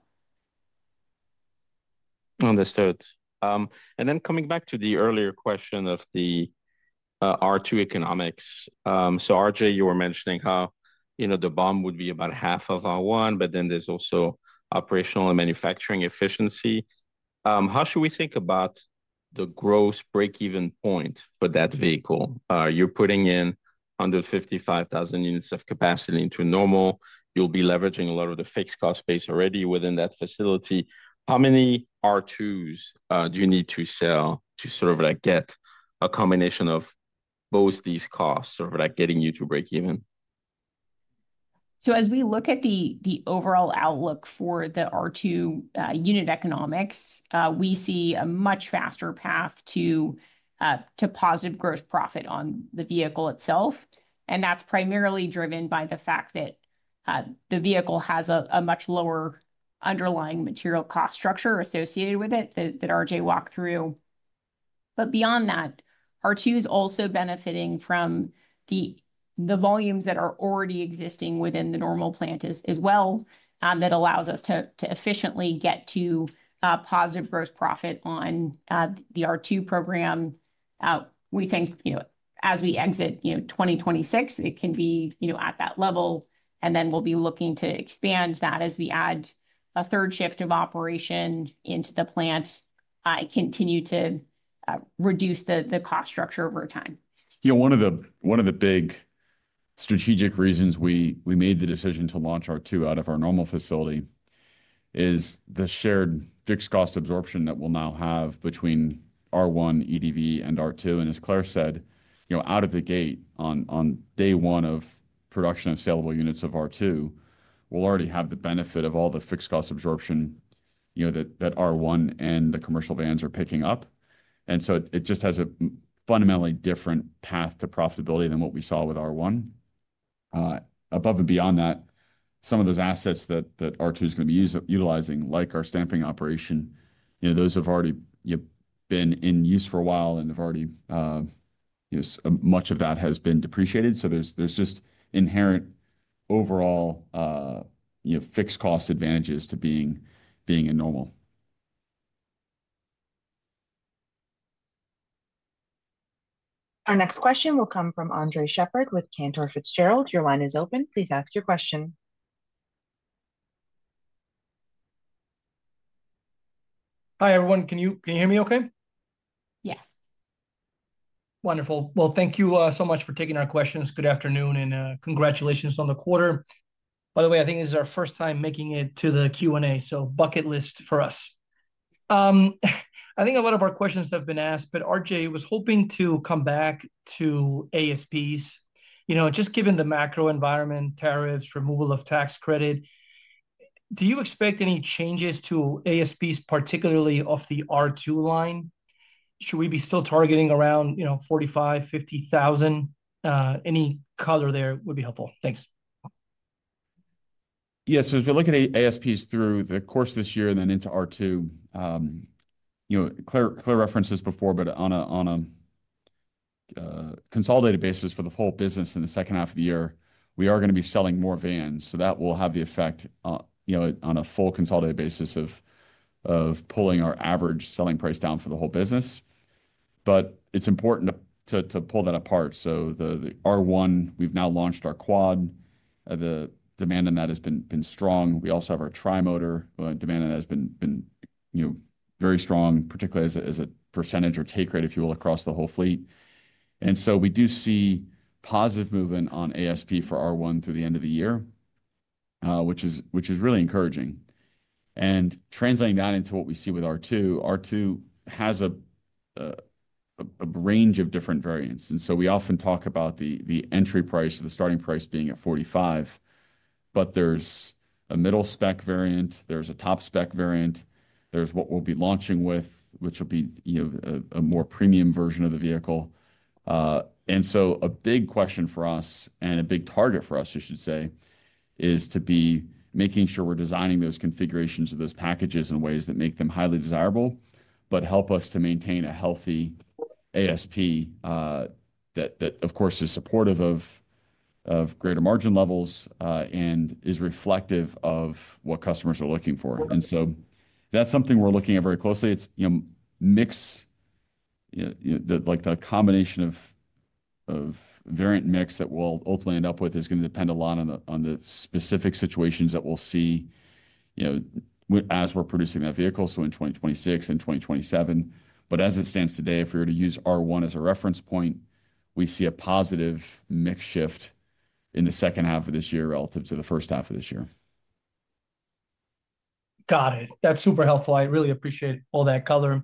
Understood. Coming back to the earlier question of the R2 economics, RJ, you were mentioning how you the bill of materials cost would be about half of R1, but then there's also operational and manufacturing efficiency. How should we think about the gross break even point for that vehicle? You're putting in under 55,000 units of capacity into Normal. You'll be leveraging a lot of the fixed cost base already within that facility. How many R2s do you need to sell to sort of get a combination of both these costs, sort of like getting you to break even. As we look at the overall outlook for the R2 unit economics, we see a much faster path to positive gross profit on the vehicle itself. That's primarily driven by the fact that the vehicle has a much lower underlying material cost structure associated with it that RJ walked through. Beyond that, R2 is also benefiting from the volumes that are already existing within the Normal plant as well. That allows us to efficiently get to positive gross profit on the R2 program. We think as we exit 2026, it can be at that level, and we'll be looking to expand that as we add a third shift of operation into the plant and continue to reduce the cost structure over time. One of the biggest strategic reasons we made the decision to launch R2 out of our Normal facility is the shared fixed cost absorption that we'll now have between R1, EDV, and R2 as Claire said. Out of the gate on day one of production of saleable units of R2, we'll already have the benefit of all the fixed cost absorption that R1 and the commercial vans are picking up. It just has a fundamentally different path to profitability than what we saw with R1. Above and beyond that, some of those assets that R2 is going to be utilizing, like our stamping operation, have already been in use for a while and much of that has been depreciated. There are just inherent overall fixed cost advantages to being at Normal. Our next question will come from Andre Shepherd with Cantor Fitzgerald. Your line is open. Please ask your question. Hi everyone. Can you hear me okay? Yes. Wonderful. Thank you so much for taking our questions. Good afternoon and congratulations on the quarter, by the way. I think this is our first time making it to the Q and A, so bucket list for us. I think a lot of our questions have been asked. RJ, was hoping to come back to ASPs. You know, just given the macro environment, tariffs, removal of tax credit, do you expect any changes to ASPs, particularly off the R2 line? Should we be still targeting around $45,000, $50,000? Any color there would be helpful. Thanks. Yeah. As we look at ASPs through the course of this year and then into R2, Claire referenced this before, but on a consolidated basis for the full business in the second half of the year, we are going to be selling more vans. That will have the effect, on a full consolidated basis, of pulling our average selling price down for the whole business. It's important to pull that apart. The R1, we've now launched our quad, the demand in that has been strong. We also have our tri motor demand that has been very strong, particularly as a percentage or take rate, if you will, across the whole fleet. We do see positive movement on ASP for R1 through the end of the year, which is really encouraging and translating that into what we see with R2. R2 has a range of different variants. We often talk about the entry price or the starting price being at $45,000, but there's a middle spec variant, there's a top spec variant, there's what we'll be launching with, which will be a more premium version of the vehicle. A big question for us, and a big target for us, I should say, is to be making sure we're designing those configurations of those packages in ways that make them highly desirable, but help us to maintain a healthy ASP that of course is supportive of greater margin levels and is reflective of what customers are looking for. That's something we're looking at very closely. It's mix, like the combination of variant mix that we'll ultimately end up with, is going to depend a lot on the specific situations that we'll see as we're producing that vehicle in 2026 and 2027. As it stands today, if we were to use R1 as a reference point, we see a positive mix shift in the second half of this year relative to the first half of this year. Got it. That's super helpful. I really appreciate all that color.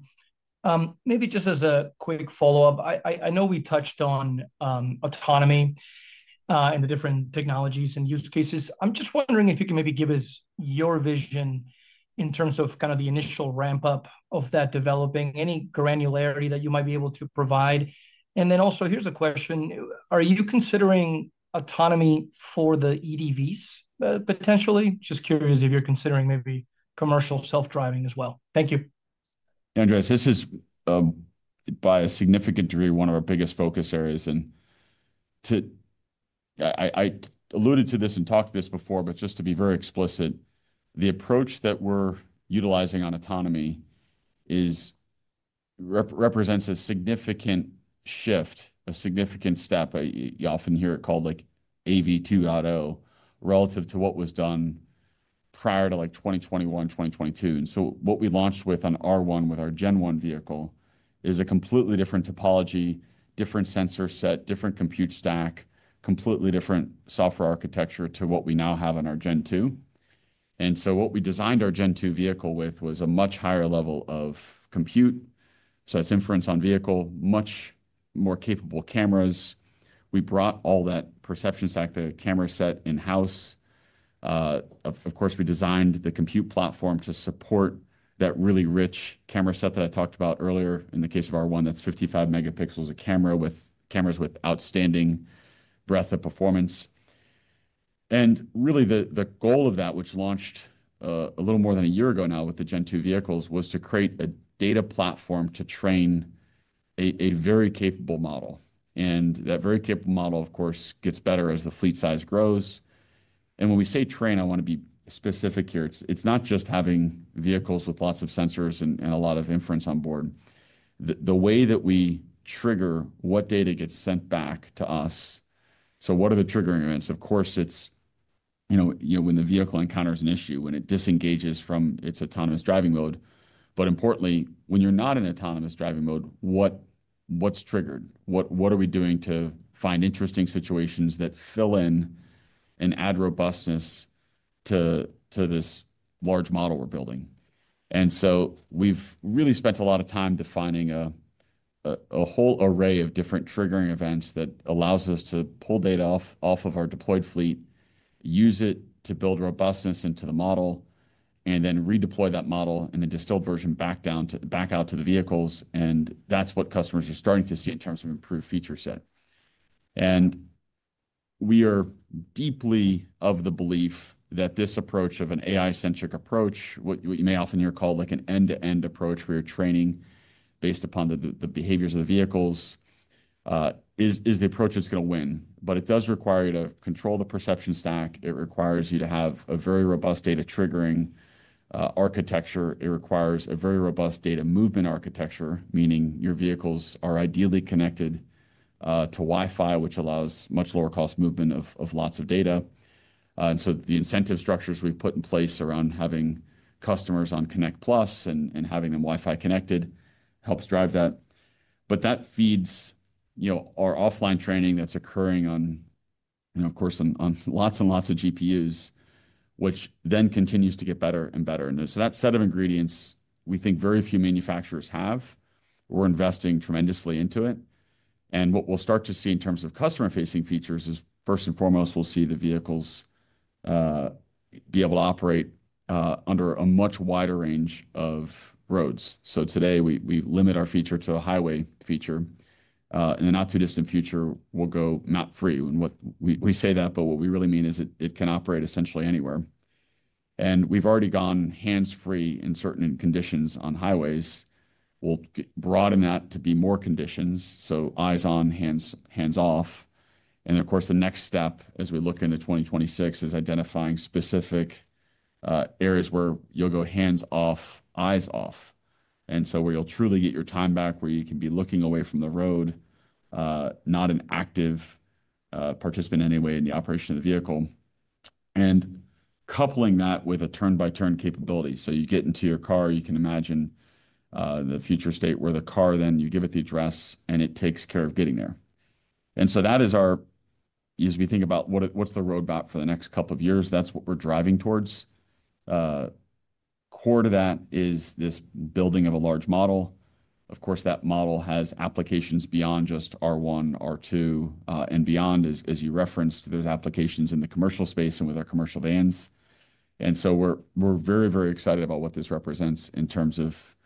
Maybe just as a quick follow up, I know we touched on autonomy and the different technologies and use cases. I'm just wondering if you can maybe give us your vision in terms of kind of the initial ramp up of that, developing any granularity that you might be able to provide. Also, here's a question. Are you considering autonomy for the EDVs potentially? Just curious if you're considering maybe commercial self driving as well. Thank you, Andres. This is by a significant degree one of our biggest focus areas. I alluded to this and talked this before, but just to be very explicit, the approach that we're utilizing on autonomy represents a significant shift, a significant step. You often hear it called like AV2.0 relative to what was done prior to 2021, 2022. What we launched with on R1 with our Gen 1 vehicle is a completely different topology, different sensor set, different compute stack, completely different software architecture to what we now have in our Gen 2. What we designed our Gen 2 vehicle with was a much higher level of compute. That's inference. On vehicle, much more capable cameras, we brought all that perception stack, the camera set in house, of course, we designed the compute platform to support that really rich camera set that I talked about earlier. In the case of R1, that's 55 megapixels of cameras with outstanding breadth of performance. The goal of that, which launched a little more than a year ago now with the Gen 2 vehicles, was to create a data platform to train a very capable model. That very capable model, of course, gets better as the fleet size grows. When we say train, I want to be specific here. It's not just having vehicles with lots of sensors and a lot of inference on board, the way that we trigger what data gets sent back to us. What are the triggering events? Of course, it's when the vehicle encounters an issue when it disengages from its autonomous driving mode. Importantly, when you're not in autonomous driving mode, what's triggered? What are we doing to find interesting situations that fill in and add robustness to this large model we're building? We've really spent a lot of time defining a whole array of different triggering events that allows us to pull data off of our deployed fleet, use it to build robustness into the model, and then redeploy that model and then distilled version back down to back out to the vehicles. That's what customers are starting to see in terms of improved feature set. We are deeply of the belief that this approach, of an AI centric approach, what you may often hear called like an end to end approach, where you're training based upon the behaviors of the vehicles, is the approach that's going to win. It does require you to control the perception stack. It requires you to have a very robust data triggering architecture. It requires a very robust data movement architecture, meaning your vehicles are ideally connected to Wi-Fi, which allows much lower cost movement of lots of data. The incentive structures we've put in place around having customers on Connect Plus and having them Wi-Fi connected helps drive that. That feeds our offline training that's occurring, of course, on lots and lots of GPUs, which then continues to get better and better. There's that set of ingredients we think very few manufacturers have. We're investing tremendously into it. What we'll start to see in terms of customer-facing features is, first and foremost, we'll see the vehicles be able to operate under a much wider range of roads. Today we limit our feature to a highway feature. In the not too distant future, we'll go map free. We say that, but what we really mean is it can operate essentially anywhere. We've already gone hands free in certain conditions on highways and will broaden that to be more conditions. Eyes on, hands off. The next step as we look into 2026 is identifying specific areas where you'll go hands off, eyes off. You'll truly get your time back, where you can be looking away from the road, not an active participant in any way in the operation of the vehicle, and coupling that with a turn-by-turn capability. You get into your car, you can imagine the future state where the car, then you give it the address and it takes care of getting there. As we think about what's the roadmap for the next couple of years, that's what we're driving towards. Core to that is this building of a large model. Of course, that model has applications beyond just R1, R2 and beyond. As you referenced, there's applications in the commercial space and with our commercial vans. We're very, very excited about what this represents in terms of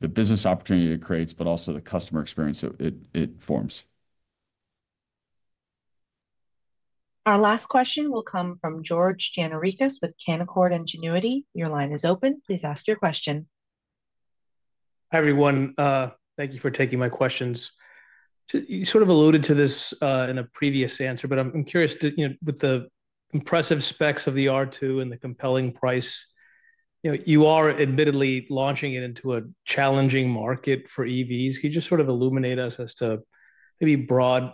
the business opportunity it creates, but also the customer experience it forms. Our last question will come from George Gianarikas with Canaccord Genuity. Your line is open. Please ask your question. Hi everyone. Thank you for taking my questions. You alluded to this in a previous answer. I'm curious, with the impressive specs of the R2 and the compelling price, you are admittedly launching it into a challenging market for EVs. Can you illuminate us as to maybe broad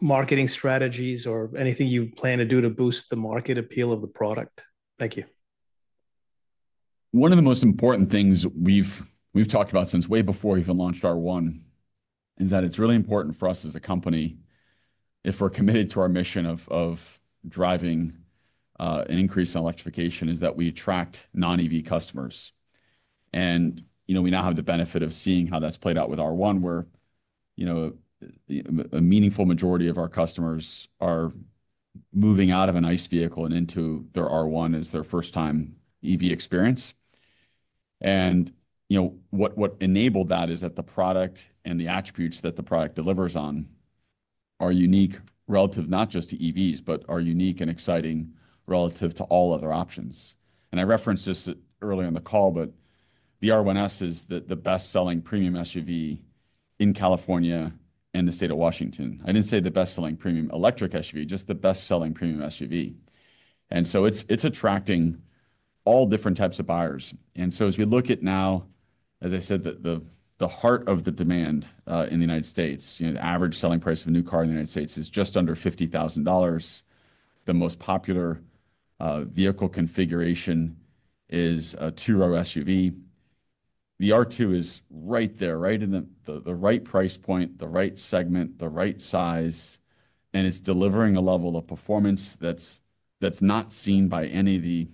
marketing strategies or anything you plan to do to boost the market appeal of the product? Thank you. One of the most important things we've talked about since way before we even launched R1 is that it's really important for us as a company, if we're committed to our mission of driving an increase in electrification, is that we attract non EV customers. We now have the benefit of seeing how that's played out with R1.Where. A meaningful majority of our customers are moving out of an ICE vehicle and into their R1 as their first time EV experience. What enabled that is that the product and the attributes that the product delivers on are unique relative not just to EVs but are unique and exciting relative to all other options. I referenced this early on the call, but the R1 is the best selling premium SUV in California and the state of Washington. I didn't say the best selling premium electric SUV, just the best selling premium SUV. It's attracting all different types of buyers. As we look at now, as I said, the heart of the demand in the U.S., the average selling price of a new car in the U.S. is just under $50,000. The most popular vehicle configuration is a two row SUV. The R2 is right there, right in the right price point, the right segment, the right size. It's delivering a level of performance that's not seen by any of the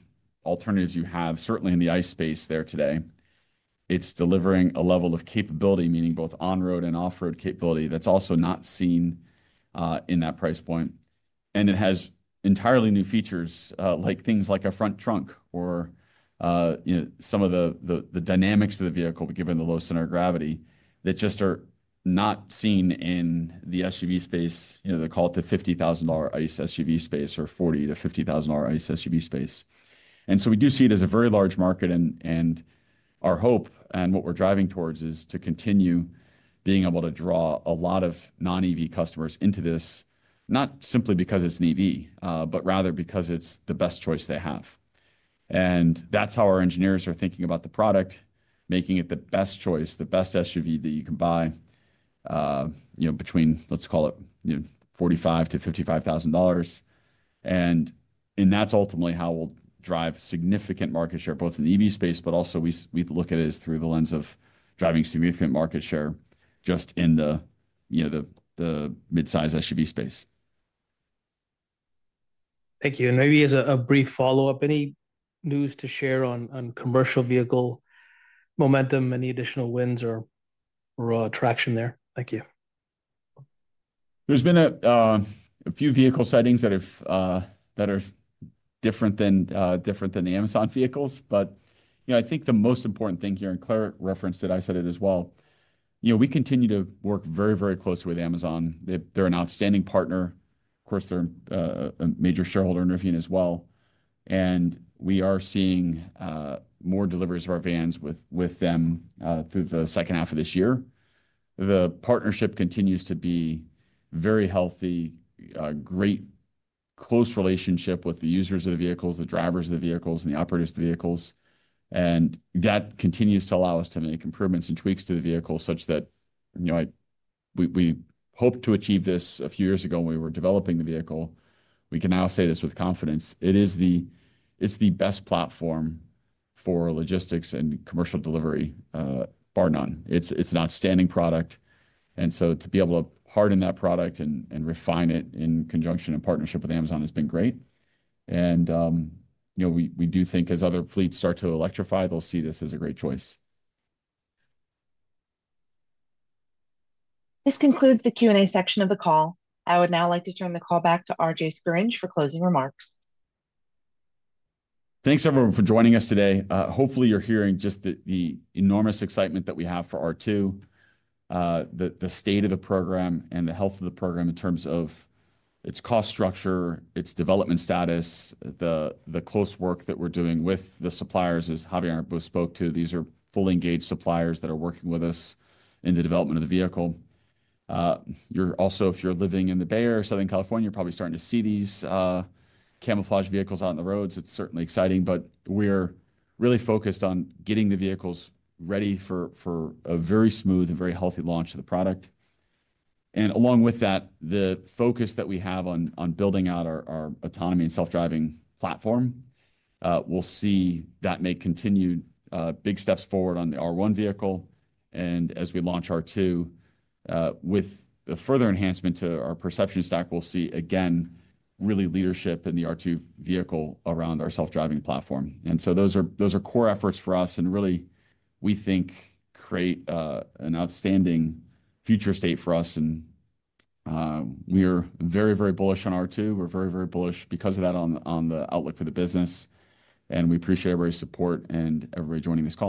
alternatives you have, certainly in the ICE space there today. It's delivering a level of capability, meaning both on road and off road capability, that's also not seen in that price point. It has entirely new features like things like a front trunk or some of the dynamics of the vehicle given the low center of gravity that just are not seen in the SUV space. They call it the $50,000 ICE SUV space or $40,00-$50,000 ICE SUV space. We do see it as a very large market. Our hope and what we're driving towards is to continue being able to draw a lot of non-EV customers into this, not simply because it's an EV, but rather because it's the best choice they have. That's how our engineers are thinking about the product, making it the best choice, the best SUV that you can buy, you know, between, let's call it $45,00-$55,000. That's ultimately how we'll drive significant market share, both in the EV space, but also we look at it as through the lens of driving significant market share just in the midsize SUV space. Thank you. Maybe as a brief follow up, any news to share on commercial vehicle momentum? Any additional wins or traction there? Thank you. have been a few vehicle sightings that are different than the Amazon vehicles. I think the most important thing here, and Claire referenced it, I said it as well, we continue to work very, very closely with Amazon. They're an outstanding partner. Of course, they're a major shareholder in Rivian Automotive as well. We are seeing more deliveries of our vans with them through the second half of this year. The partnership continues to be very healthy. Great close relationship with the users of the vehicles, the drivers of the vehicles, and the operators of the vehicles. That continues to allow us to make improvements and tweaks to the vehicle such that we hoped to achieve this a few years ago when we were developing the vehicle. We can now say this with confidence. It's the best platform for logistics and commercial delivery, bar none. It's an outstanding product. To be able to harden that product and refine it in conjunction in partnership with Amazon has been great. We do think as other fleets start to electrify, they'll see this as a great choice. This concludes the Q&A section of the call. I would now like to turn the call back to RJ Scaringe for closing remarks. Thanks everyone for joining us today. Hopefully you're hearing just the enormous excitement that we have for R2, the state of the program, and the health of the program in terms of its cost structure, its development status, the close work that we're doing with the suppliers. As Javier both spoke to, these are fully engaged suppliers that are working with us in the development of the vehicle. If you're living in the Bay Area or Southern California, you're probably starting to see these camouflage vehicles on the roads. It's certainly exciting, but we're really focused on getting the vehicles ready for a very smooth and very healthy launch of the product. Along with that, the focus that we have on building out our autonomy and self-driving platform, we'll see that may continue big steps forward on the R1 vehicle, and as we launch R2 with the further enhancement to our perception stack, we'll see again really leadership in the R2 vehicle around our self-driving platform. Those are core efforts for us and really we think create an outstanding future state for us. We are very, very bullish on R2. We're very, very bullish because of that, on the outlook for the business, and we appreciate everybody's support and everybody joining this call.